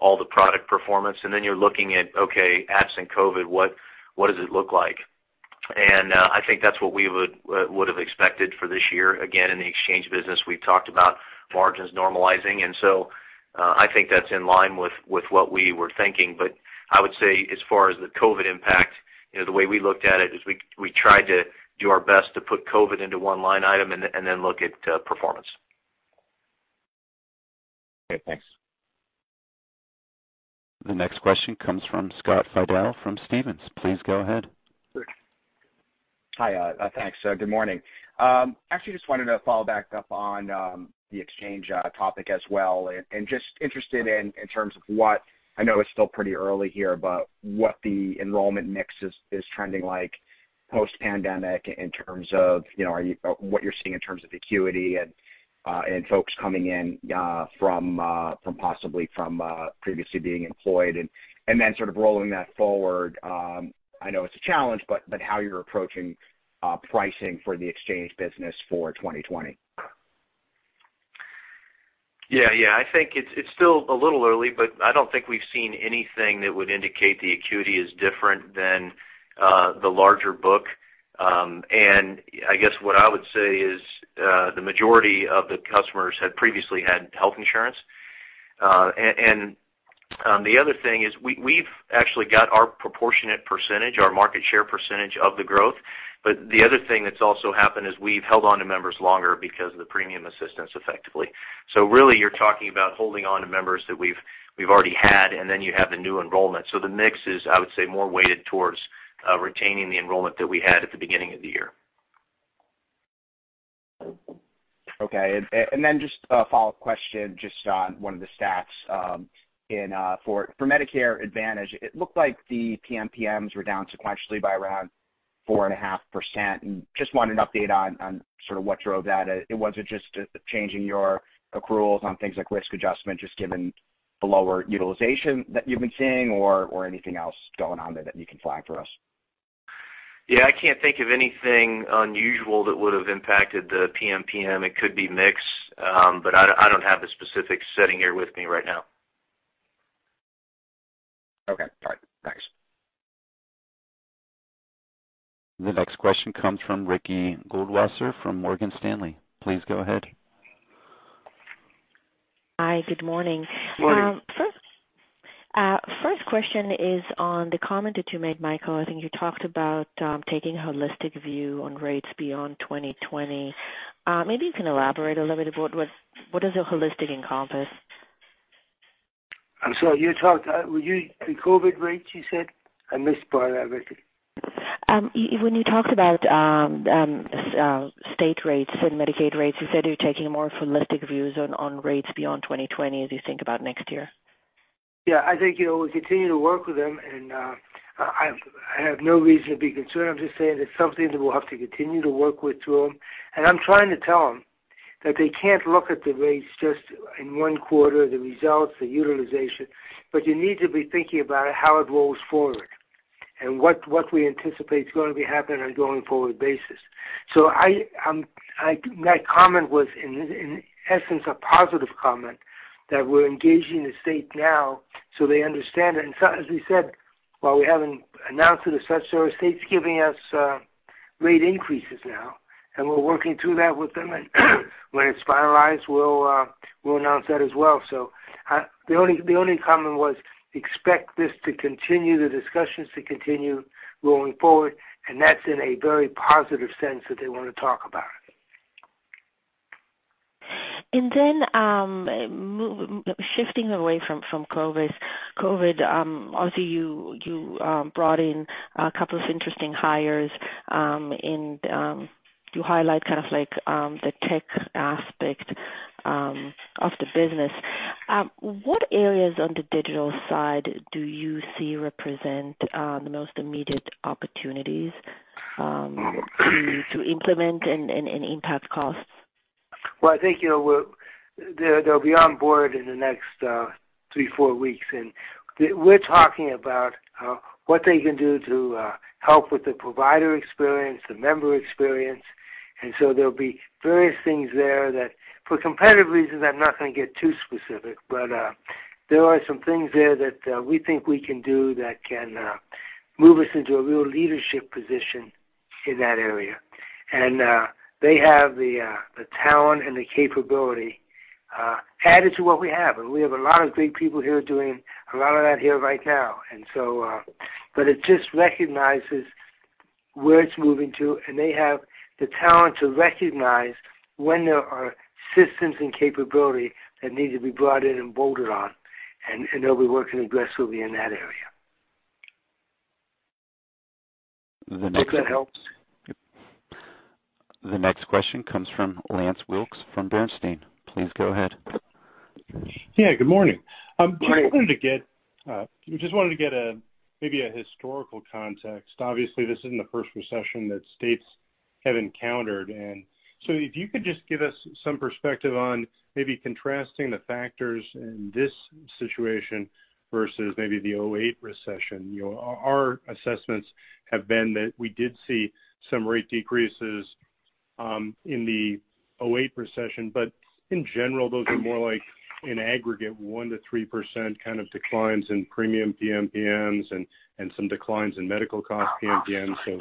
all the product performance, and then you're looking at, okay, absent COVID, what does it look like? I think that's what we would have expected for this year. Again, in the exchange business, we've talked about margins normalizing, I think that's in line with what we were thinking. I would say as far as the COVID impact, the way we looked at it is we tried to do our best to put COVID into one line item and then look at performance. Okay, thanks. The next question comes from Scott Fidel from Stephens. Please go ahead. Hi. Thanks. Good morning. Actually, just wanted to follow back up on the exchange topic as well. Just interested in terms of what I know it's still pretty early here, but what the enrollment mix is trending like post-pandemic in terms of what you're seeing in terms of acuity and folks coming in possibly from previously being employed. Then sort of rolling that forward, I know it's a challenge, but how you're approaching pricing for the exchange business for 2020. Yeah. I think it's still a little early, but I don't think we've seen anything that would indicate the acuity is different than the larger book. I guess what I would say is, the majority of the customers had previously had health insurance. The other thing is, we've actually got our proportionate percentage, our market share percentage of the growth. The other thing that's also happened is we've held onto members longer because of the premium assistance effectively. Really, you're talking about holding onto members that we've already had, and then you have the new enrollment. The mix is, I would say, more weighted towards retaining the enrollment that we had at the beginning of the year. Okay. Just a follow-up question just on one of the stats. For Medicare Advantage, it looked like the PMPMs were down sequentially by around 4.5%, and just want an update on sort of what drove that. Was it just changing your accruals on things like risk adjustment, just given the lower utilization that you've been seeing, or anything else going on there that you can flag for us? Yeah, I can't think of anything unusual that would've impacted the PMPM. It could be mix, but I don't have the specific setting here with me right now. Okay. All right. Thanks. The next question comes from Ricky Goldwasser from Morgan Stanley. Please go ahead. Hi. Good morning. Morning. First question is on the comment that you made, Michael. I think you talked about taking a holistic view on rates beyond 2020. You can elaborate a little bit about what does the holistic encompass? I'm sorry, the COVID rates, you said? I missed part of that, Ricky. When you talked about state rates and Medicaid rates, you said you're taking a more holistic view on rates beyond 2020 as you think about next year. Yeah, I think we continue to work with them, and I have no reason to be concerned. I'm just saying it's something that we'll have to continue to work with through them. I'm trying to tell them that they can't look at the rates just in one quarter, the results, the utilization, but you need to be thinking about how it rolls forward, and what we anticipate is going to be happening on a going forward basis. My comment was, in essence, a positive comment that we're engaging the state now so they understand it. As we said, while we haven't announced it as such, so the state's giving us rate increases now, and we're working through that with them, and when it's finalized, we'll announce that as well. The only comment was, expect this to continue, the discussions to continue going forward, and that's in a very positive sense that they want to talk about. Shifting away from COVID, obviously you brought in a couple of interesting hires, and you highlight kind of like the tech aspect of the business. What areas on the digital side do you see represent the most immediate opportunities to implement and impact costs? Well, I think they'll be on board in the next three, four weeks. We're talking about what they can do to help with the provider experience, the member experience. There'll be various things there that, for competitive reasons, I'm not going to get too specific, but there are some things there that we think we can do that can move us into a real leadership position in that area. They have the talent and the capability added to what we have. We have a lot of great people here doing a lot of that here right now. It just recognizes where it's moving to, and they have the talent to recognize when there are systems and capability that need to be brought in and bolted on, and they'll be working aggressively in that area. The next- Hope that helps. The next question comes from Lance Wilkes from Bernstein. Please go ahead. Yeah, good morning. Morning. Just wanted to get maybe a historical context. Obviously, this isn't the first recession that states have encountered. If you could just give us some perspective on maybe contrasting the factors in this situation versus maybe the 2008 recession. Our assessments have been that we did see some rate decreases in the 2008 recession, but in general, those are more like an aggregate 1%-3% kind of declines in premium PMPMs and some declines in medical cost PMPMs, so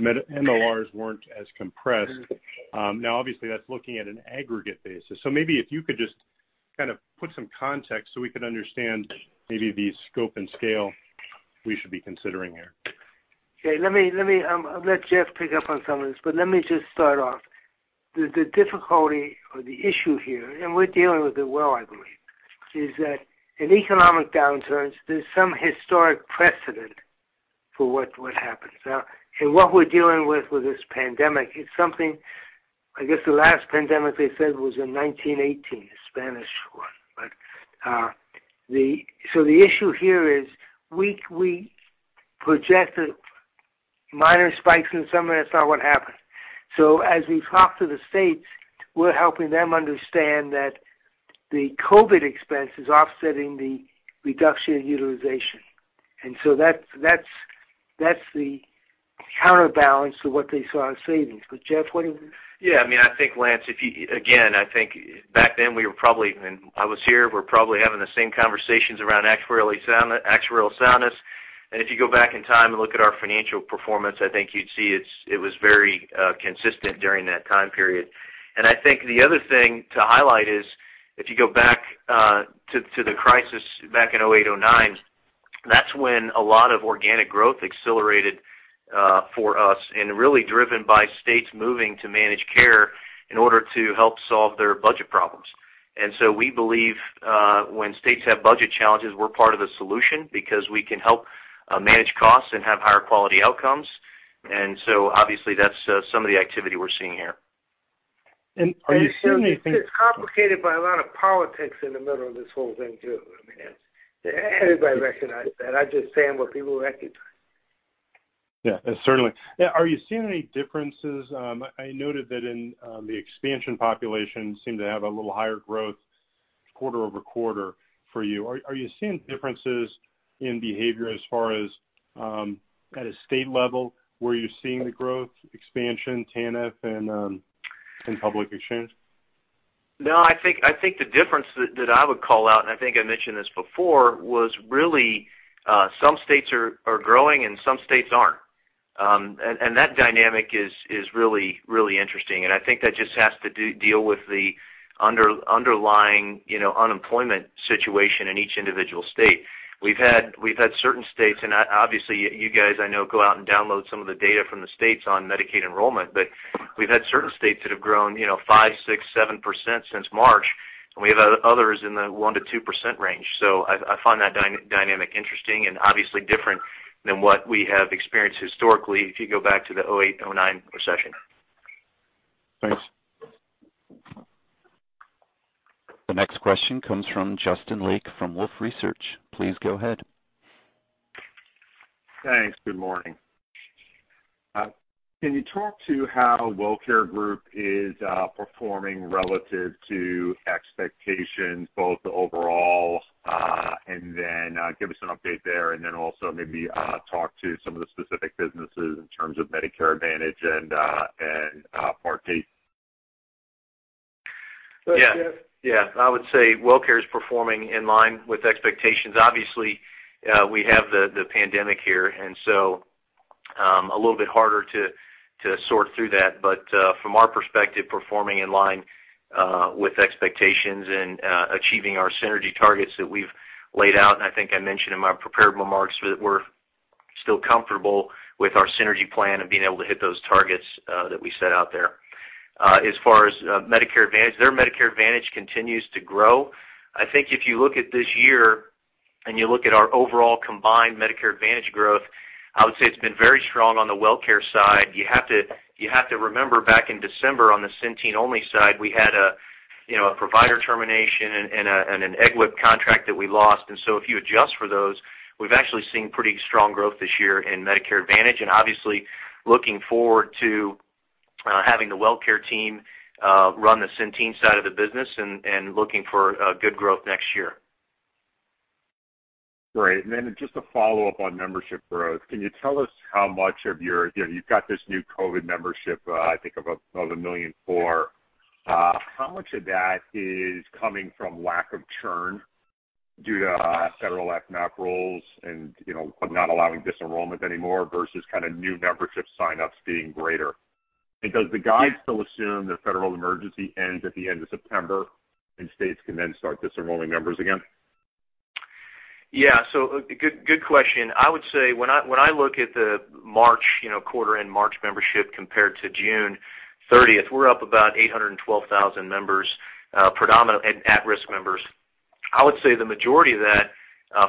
MLRs weren't as compressed. Obviously, that's looking at an aggregate basis. Maybe if you could just kind of put some context so we could understand maybe the scope and scale we should be considering here. Okay. I'll let Jeff pick up on some of this, but let me just start off. The difficulty or the issue here, and we're dealing with it well, I believe, is that in economic downturns, there's some historic precedent for what happens. In what we're dealing with this pandemic, it's something, I guess the last pandemic they said was in 1918, the Spanish one. The issue here is we projected minor spikes in the summer, and that's not what happened. As we talk to the states, we're helping them understand that the COVID expense is offsetting the reduction in utilization. That's the counterbalance to what they saw in savings. Jeff, what do you think? Yeah, Lance, again, I think back then, we were probably, and I was here, we're probably having the same conversations around actuarial soundness. If you go back in time and look at our financial performance, I think you'd see it was very consistent during that time period. I think the other thing to highlight is if you go back to the crisis back in 2008, 2009, that's when a lot of organic growth accelerated for us, and really driven by states moving to managed care in order to help solve their budget problems. We believe, when states have budget challenges, we're part of the solution because we can help manage costs and have higher quality outcomes. Obviously that's some of the activity we're seeing here. It's complicated by a lot of politics in the middle of this whole thing, too. Everybody recognizes that. I'm just saying what people recognize. Yeah, certainly. Are you seeing any differences? I noted that in the expansion population seemed to have a little higher growth quarter-over-quarter for you. Are you seeing differences in behavior as far as at a state level, where you're seeing the growth, expansion, TANF, and public exchange? No, I think the difference that I would call out, and I think I mentioned this before, was really some states are growing and some states aren't. That dynamic is really interesting, and I think that just has to deal with the underlying unemployment situation in each individual state. We've had certain states, and obviously you guys I know go out and download some of the data from the states on Medicaid enrollment, but we've had certain states that have grown 5%, 6%, 7% since March, and we have others in the 1%-2% range. I find that dynamic interesting and obviously different than what we have experienced historically if you go back to the 2008, 2009 recession. Thanks. The next question comes from Justin Lake from Wolfe Research. Please go ahead. Thanks. Good morning. Can you talk to how WellCare Group is performing relative to expectations both overall, and then give us an update there, and then also maybe talk to some of the specific businesses in terms of Medicare Advantage and Part D? Yeah. I would say WellCare is performing in line with expectations. Obviously, we have the pandemic here, a little bit harder to sort through that. From our perspective, performing in line with expectations and achieving our synergy targets that we've laid out, and I think I mentioned in my prepared remarks, that we're still comfortable with our synergy plan and being able to hit those targets that we set out there. As far as Medicare Advantage, their Medicare Advantage continues to grow. I think if you look at this year and you look at our overall combined Medicare Advantage growth, I would say it's been very strong on the WellCare side. You have to remember back in December on the Centene-only side, we had a provider termination and an EGWP contract that we lost. If you adjust for those, we've actually seen pretty strong growth this year in Medicare Advantage, and obviously looking forward to having the WellCare team run the Centene side of the business and looking for good growth next year. Great. Then just a follow-up on membership growth. Can you tell us how much you've got this new COVID-19 membership, I think of 1.4 million. How much of that is coming from lack of churn due to federal FMAP rules and of not allowing disenrollment anymore versus new membership sign-ups being greater? Does the guide still assume that federal emergency ends at the end of September and states can then start disenrolling members again? Good question. I would say when I look at the quarter end March membership compared to June 30th, we're up about 812,000 at-risk members. I would say the majority of that,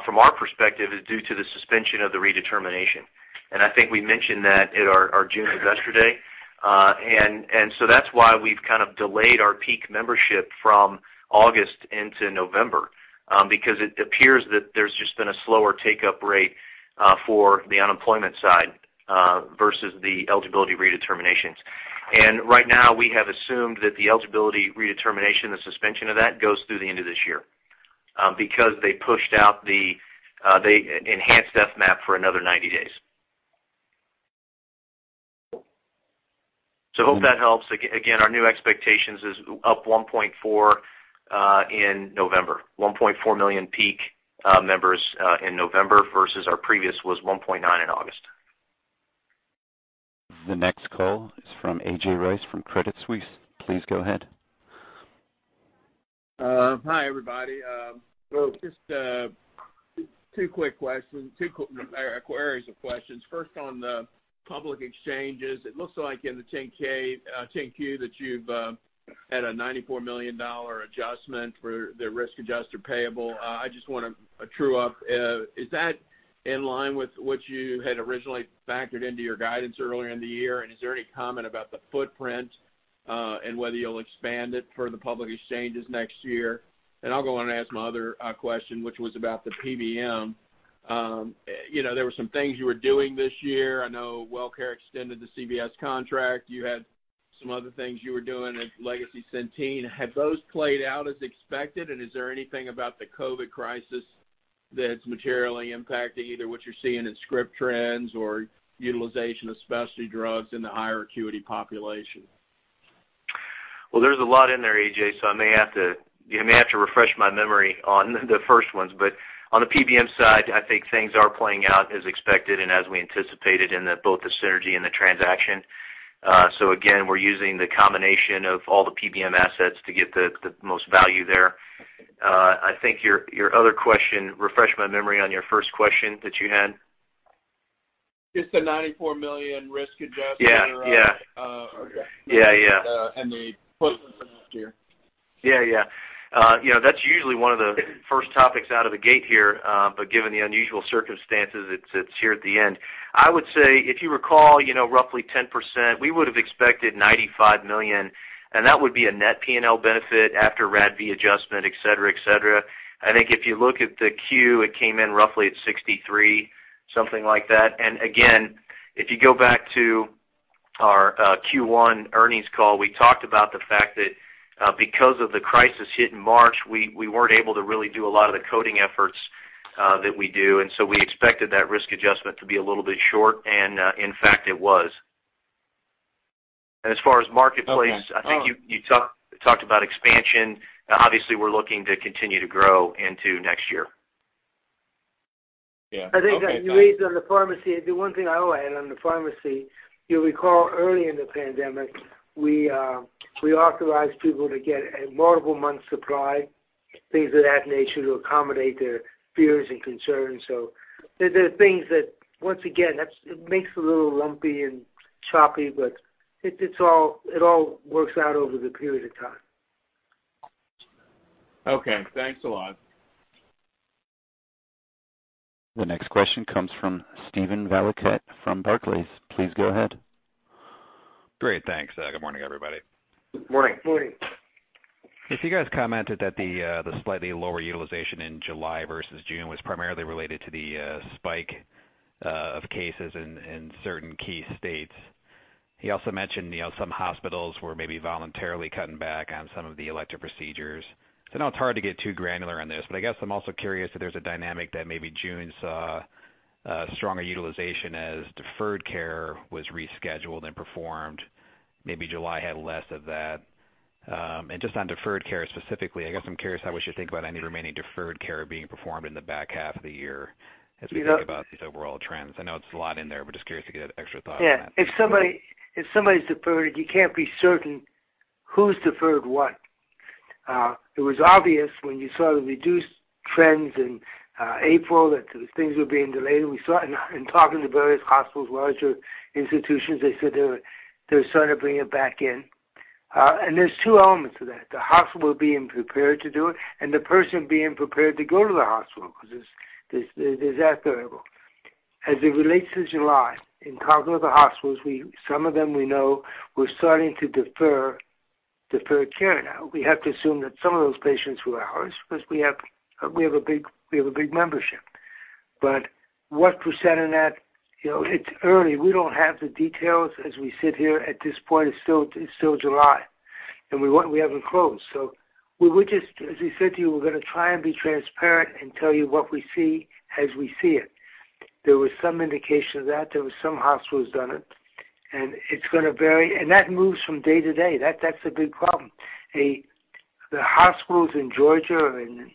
from our perspective, is due to the suspension of the redetermination. I think we mentioned that at our June Investor Day. That's why we've delayed our peak membership from August into November. Because it appears that there's just been a slower take-up rate for the unemployment side versus the eligibility redeterminations. Right now, we have assumed that the eligibility redetermination, the suspension of that, goes through the end of this year, because they pushed out the enhanced FMAP for another 90 days. Hope that helps. Again, our new expectations is up 1.4 in November, 1.4 million peak members in November versus our previous was 1.9 in August. The next call is from A.J. Rice from Credit Suisse. Please go ahead. Hi, everybody. Just two quick areas of questions. First, on the public exchanges, it looks like in the 10-Q that you've had a $94 million adjustment for the risk adjuster payable. I just want a true-up. Is that in line with what you had originally factored into your guidance earlier in the year, and is there any comment about the footprint, and whether you'll expand it for the public exchanges next year? I'll go on and ask my other question, which was about the PBM. There were some things you were doing this year. I know WellCare extended the CVS contract. You had some other things you were doing with legacy Centene. Have those played out as expected, and is there anything about the COVID crisis that's materially impacting either what you're seeing in script trends or utilization of specialty drugs in the higher acuity population? Well, there's a lot in there, A.J., so I may have to refresh my memory on the first ones. On the PBM side, I think things are playing out as expected and as we anticipated in both the synergy and the transaction. Again, we're using the combination of all the PBM assets to get the most value there. I think your other question, refresh my memory on your first question that you had. Just the $94 million risk adjustment- Yeah the here. Yeah. That's usually one of the first topics out of the gate here, but given the unusual circumstances, it's here at the end. I would say, if you recall, roughly 10%, we would've expected $95 million, that would be a net P&L benefit after RADV adjustment, et cetera. I think if you look at the Q, it came in roughly at $63, something like that. Again, if you go back to our Q1 earnings call, we talked about the fact that because of the crisis hit in March, we weren't able to really do a lot of the coding efforts that we do, we expected that risk adjustment to be a little bit short, and, in fact, it was. As far as Marketplace, I think you talked about expansion. Obviously, we're looking to continue to grow into next year. Yeah. Okay, thanks. I think you raised on the pharmacy, the one thing I will add on the pharmacy, you'll recall earlier in the pandemic, we authorized people to get a multiple-month supply, things of that nature, to accommodate their fears and concerns. There are things that, once again, it makes it a little lumpy and choppy, but it all works out over the period of time. Okay. Thanks a lot. The next question comes from Steven Valiquette from Barclays. Please go ahead. Great. Thanks. Good morning, everybody. Good morning. Morning. You guys commented that the slightly lower utilization in July versus June was primarily related to the spike of cases in certain key states. You also mentioned some hospitals were maybe voluntarily cutting back on some of the elective procedures. Now it's hard to get too granular on this, but I guess I'm also curious if there's a dynamic that maybe June saw a stronger utilization as deferred care was rescheduled and performed, maybe July had less of that. Just on deferred care specifically, I guess I'm curious how we should think about any remaining deferred care being performed in the back half of the year as we think about these overall trends. I know it's a lot in there, but just curious to get an extra thought on that. Yeah. If somebody's deferred, you can't be certain who's deferred what. It was obvious when you saw the reduced trends in April that things were being delayed, and we saw it in talking to various hospitals, larger institutions, they said they're starting to bring it back in. There's two elements to that. The hospital being prepared to do it, and the person being prepared to go to the hospital, because there's that variable. As it relates to July, in talking with the hospitals, some of them we know were starting to defer care now. We have to assume that some of those patients were ours because we have a big membership. What percent of that, it's early. We don't have the details as we sit here at this point. It's still July, and we haven't closed. As we said to you, we're going to try and be transparent and tell you what we see as we see it. There was some indication of that. There were some hospitals done it, and it's going to vary. That moves from day to day. That's a big problem. The hospitals in Georgia or in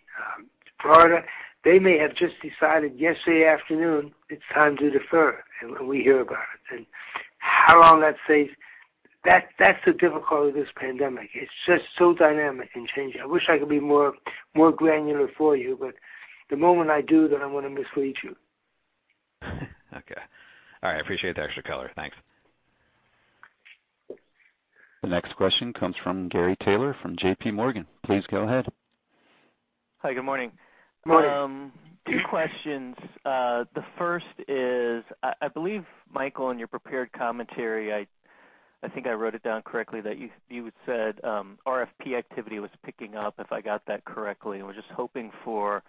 Florida, they may have just decided yesterday afternoon it's time to defer, and we hear about it. How long that stays, that's the difficulty of this pandemic. It's just so dynamic and changing. I wish I could be more granular for you, but the moment I do that, I'm going to mislead you. Okay. All right. I appreciate the extra color. Thanks. The next question comes from Gary Taylor from JP Morgan. Please go ahead. Hi, good morning. Morning. Two questions. The first is, I believe, Michael, in your prepared commentary, I think I wrote it down correctly, that you had said, RFP activity was picking up, if I got that correctly. Was just hoping for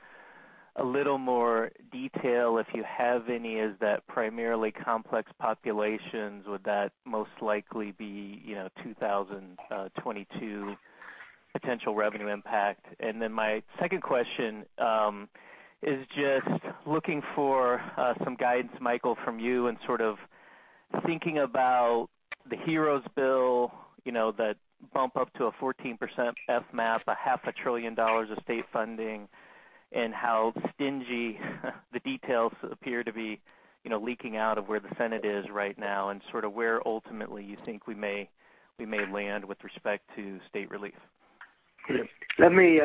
a little more detail, if you have any. Is that primarily complex populations? Would that most likely be 2022 potential revenue impact? My second question is just looking for some guidance, Michael, from you, and sort of thinking about the HEROES Act, that bump up to a 14% FMAP, a half a trillion dollars of state funding. How stingy the details appear to be leaking out of where the Senate is right now, and where ultimately you think we may land with respect to state relief. Let me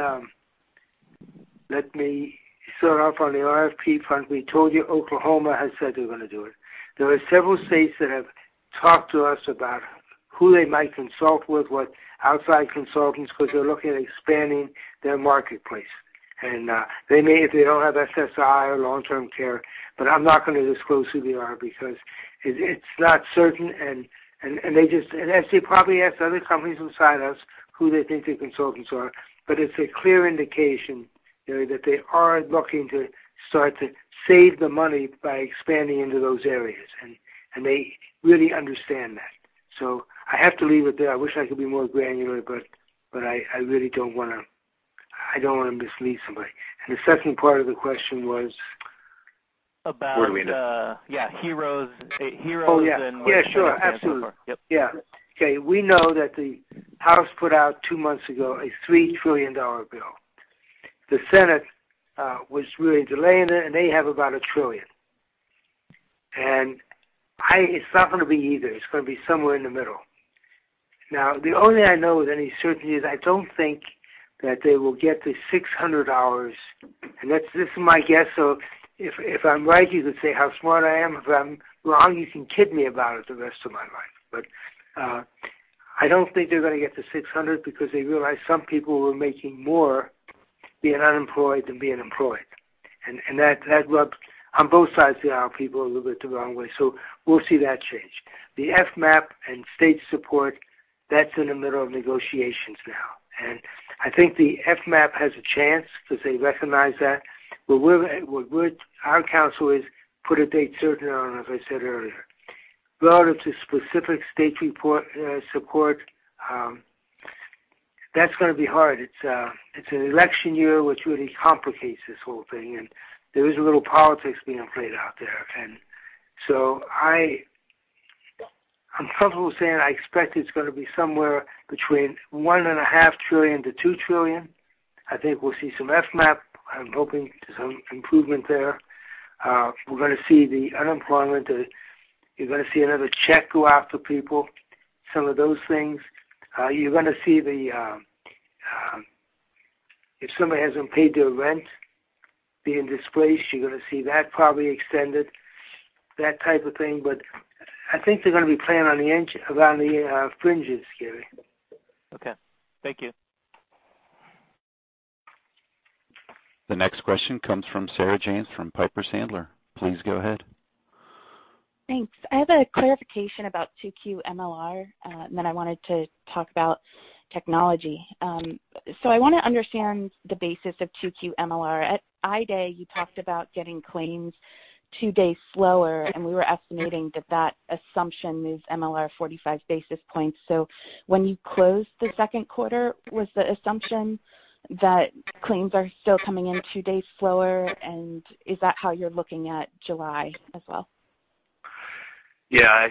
start off on the RFP front. We told you Oklahoma has said they're going to do it. There are several states that have talked to us about who they might consult with, what outside consultants, because they're looking at expanding their marketplace. They may if they don't have SSI or long-term care, but I'm not going to disclose who they are because it's not certain, and as they probably ask other companies inside us who they think the consultants are. It's a clear indication, Gary, that they are looking to start to save the money by expanding into those areas. They really understand that. I have to leave it there. I wish I could be more granular, but I really don't want to mislead somebody. The second part of the question was? About the- Yeah, HEROES. Oh, yeah. Yeah, sure. Absolutely. Yep. Yeah. Okay, we know that the House put out two months ago a $3 trillion bill. The Senate was really delaying it. They have about $1 trillion. It's not going to be either. It's going to be somewhere in the middle. Now, the only thing I know with any certainty is I don't think that they will get the $600. This is my guess. If I'm right, you could say how smart I am. If I'm wrong, you can kid me about it the rest of my life. I don't think they're going to get the $600 because they realize some people were making more being unemployed than being employed. That rubbed, on both sides of the aisle, people a little bit the wrong way. We'll see that change. The FMAP and state support, that's in the middle of negotiations now. I think the FMAP has a chance because they recognize that. Our counsel is put a date certain on, as I said earlier. Relative to specific state support, that's going to be hard. It's an election year, which really complicates this whole thing, and there is a little politics being played out there. I'm comfortable saying I expect it's going to be somewhere between $1.5 trillion-$2 trillion. I think we'll see some FMAP. I'm hoping there's some improvement there. We're going to see the unemployment, you're going to see another check go out to people, some of those things. You're going to see, if somebody hasn't paid their rent, being displaced, you're going to see that probably extended, that type of thing. I think they're going to be playing around the fringes, Gary. Okay. Thank you. The next question comes from Sarah James from Piper Sandler. Please go ahead. Thanks. I have a clarification about 2Q MLR, and then I wanted to talk about technology. I want to understand the basis of 2Q MLR. At Investor Day, you talked about getting claims two days slower, and we were estimating that that assumption is MLR 45 basis points. When you closed the second quarter, was the assumption that claims are still coming in two days slower, and is that how you're looking at July as well? Yeah.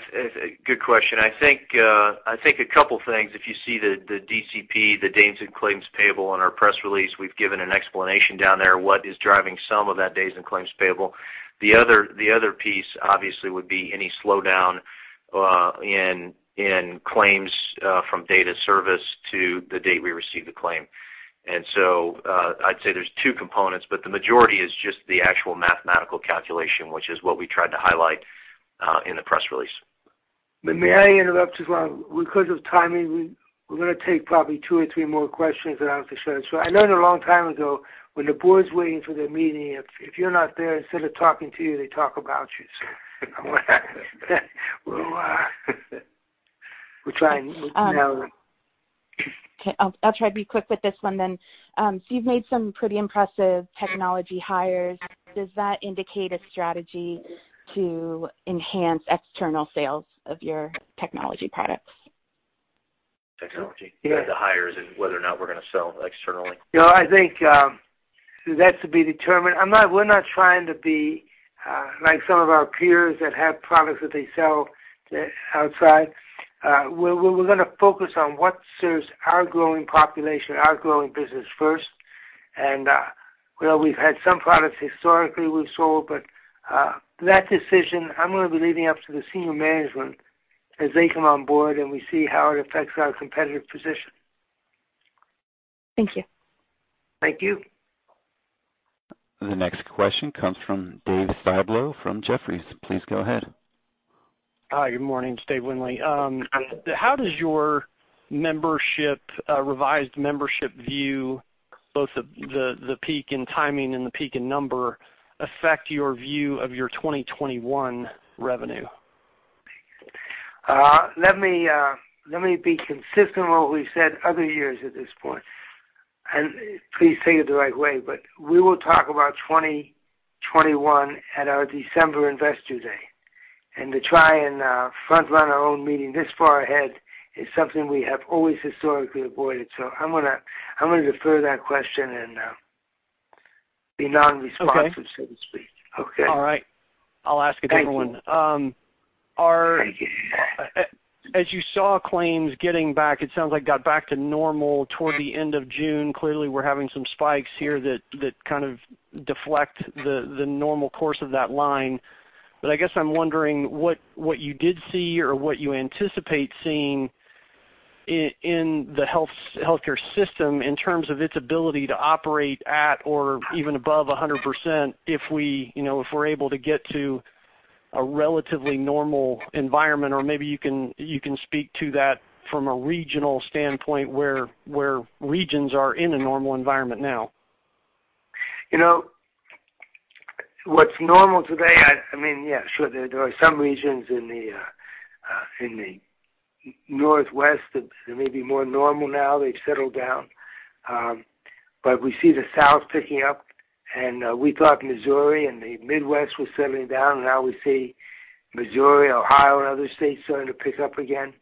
Good question. I think a couple things. If you see the DCP, the days in claims payable on our press release, we've given an explanation down there, what is driving some of that days in claims payable. I'd say there's two components, but the majority is just the actual mathematical calculation, which is what we tried to highlight in the press release. May I interrupt as well? Because of timing, we're going to take probably two or three more questions, and I have to shut it. I learned a long time ago, when the board's waiting for their meeting, if you're not there, instead of talking to you, they talk about you, so. We're trying. Okay. I'll try to be quick with this one then. You've made some pretty impressive technology hires. Does that indicate a strategy to enhance external sales of your technology products? Technology. Yeah. The hires and whether or not we're going to sell externally. I think that's to be determined. We're not trying to be like some of our peers that have products that they sell outside. We're going to focus on what serves our growing population, our growing business first. Well, we've had some products historically we've sold, but that decision I'm going to be leaving up to the senior management as they come on board, and we see how it affects our competitive position. Thank you. Thank you. The next question comes from Dave Windley from Jefferies. Please go ahead. Hi, good morning. It's Dave Windley. How does your revised membership view, both the peak in timing and the peak in number, affect your view of your 2021 revenue? Let me be consistent on what we've said other years at this point. Please take it the right way, but we will talk about 2021 at our December Investor Day. To try and front-run our own meeting this far ahead is something we have always historically avoided. I'm going to defer that question and be non-responsive, so to speak. Okay. All right. I'll ask another one. As you saw claims getting back, it sounds like got back to normal toward the end of June. Clearly, we're having some spikes here that kind of deflect the normal course of that line. I guess I'm wondering what you did see or what you anticipate seeing in the healthcare system in terms of its ability to operate at or even above 100% if we're able to get to a relatively normal environment. Maybe you can speak to that from a regional standpoint where regions are in a normal environment now. What's normal today, sure there are some regions in the Northwest that may be more normal now, they've settled down. We see the South picking up, and we thought Missouri and the Midwest were settling down, and now we see Missouri, Ohio, and other states starting to pick up again.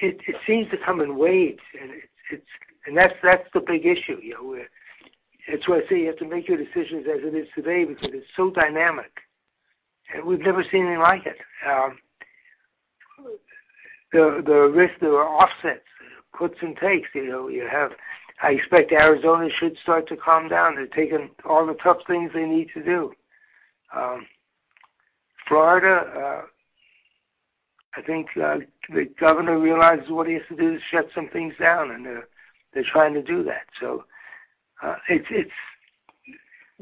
It seems to come in waves, and that's the big issue. That's why I say you have to make your decisions as it is today because it's so dynamic, and we've never seen anything like it. The risk, there are offsets, puts and takes. I expect Arizona should start to calm down. They're taking all the tough things they need to do. Florida, I think the governor realizes what he has to do is shut some things down, and they're trying to do that.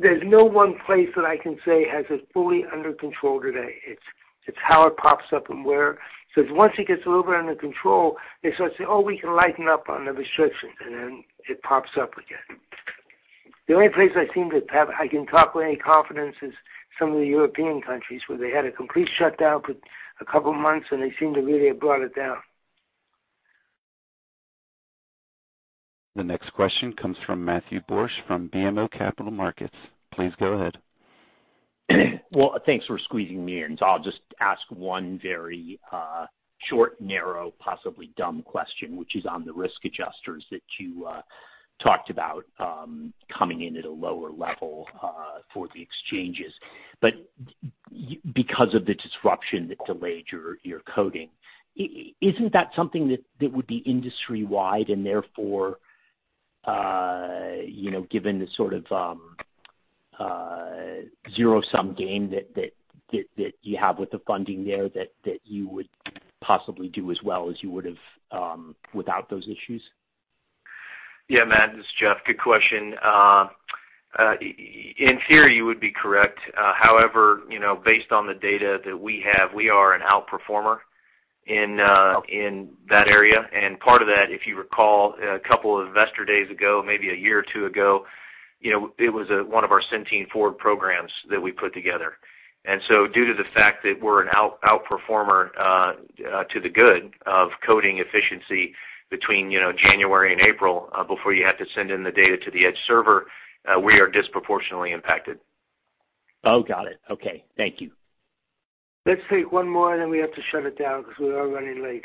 There's no one place that I can say has it fully under control today. It's how it pops up and where. Once it gets a little bit under control, they start to say, "Oh, we can lighten up on the restrictions," and then it pops up again. The only place I can talk with any confidence is some of the European countries, where they had a complete shutdown for a couple of months, and they seem to really have brought it down. The next question comes from Matthew Borsch from BMO Capital Markets. Please go ahead. Well, thanks for squeezing me in. I'll just ask one very short, narrow, possibly dumb question, which is on the risk adjusters that you talked about coming in at a lower level for the exchanges. Because of the disruption that delayed your coding, isn't that something that would be industry-wide and therefore, given the sort of zero-sum game that you have with the funding there that you would possibly do as well as you would've without those issues? Yeah, Matt, this is Jeff. Good question. In theory, you would be correct. However, based on the data that we have, we are an outperformer in that area. Part of that, if you recall, a couple of investor days ago, maybe a year or two ago, it was one of our Centene Forward programs that we put together. Due to the fact that we're an outperformer to the good of coding efficiency between January and April, before you had to send in the data to the EDGE server, we are disproportionately impacted. Oh, got it. Okay. Thank you. Let's take one more, then we have to shut it down because we are running late.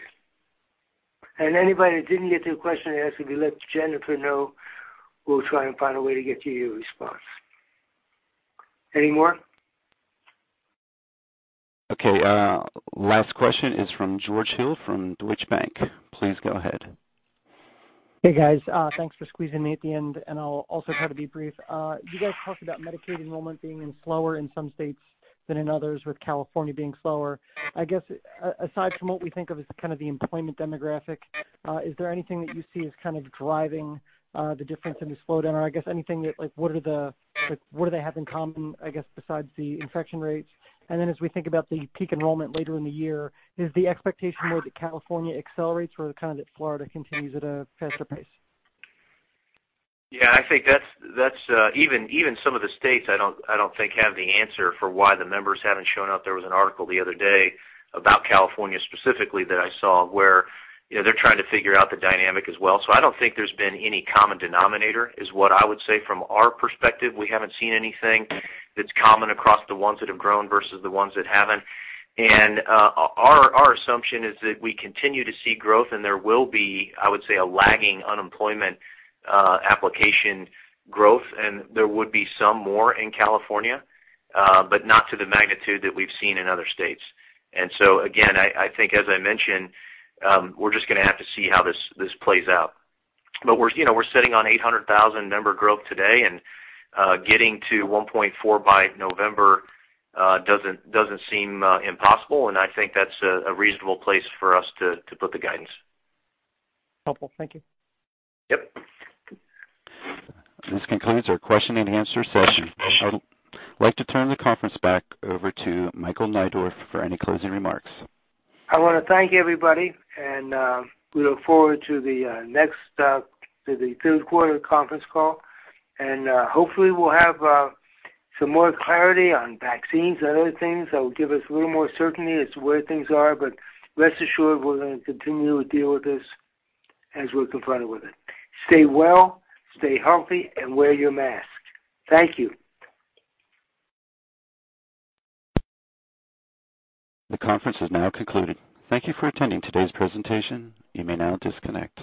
Anybody that didn't get their question asked, if you let Jennifer know, we'll try and find a way to get you your response. Anyone? Okay, last question is from George Hill from Deutsche Bank. Please go ahead. Hey, guys. Thanks for squeezing me at the end, and I'll also try to be brief. You guys talked about Medicaid enrollment being in slower in some states than in others, with California being slower. I guess, aside from what we think of as kind of the employment demographic, is there anything that you see as kind of driving the difference in the slowdown? I guess anything that, like, what do they have in common, I guess, besides the infection rates? As we think about the peak enrollment later in the year, is the expectation more that California accelerates or kind of that Florida continues at a faster pace? I think even some of the states I don't think have the answer for why the members haven't shown up. There was an article the other day about California specifically that I saw where they're trying to figure out the dynamic as well. I don't think there's been any common denominator, is what I would say. From our perspective, we haven't seen anything that's common across the ones that have grown versus the ones that haven't. Our assumption is that we continue to see growth, and there will be, I would say, a lagging unemployment application growth, and there would be some more in California, but not to the magnitude that we've seen in other states. Again, I think, as I mentioned, we're just going to have to see how this plays out. We're sitting on 800,000 member growth today, and getting to 1.4 by November doesn't seem impossible, and I think that's a reasonable place for us to put the guidance. Helpful. Thank you. Yep. This concludes our question-and answer session. I'd like to turn the conference back over to Michael Neidorff for any closing remarks. I want to thank everybody, and we look forward to the third quarter conference call. Hopefully, we'll have some more clarity on vaccines and other things that will give us a little more certainty as to where things are. Rest assured, we're going to continue to deal with this as we're confronted with it. Stay well, stay healthy, and wear your mask. Thank you. The conference has now concluded. Thank you for attending today's presentation. You may now disconnect.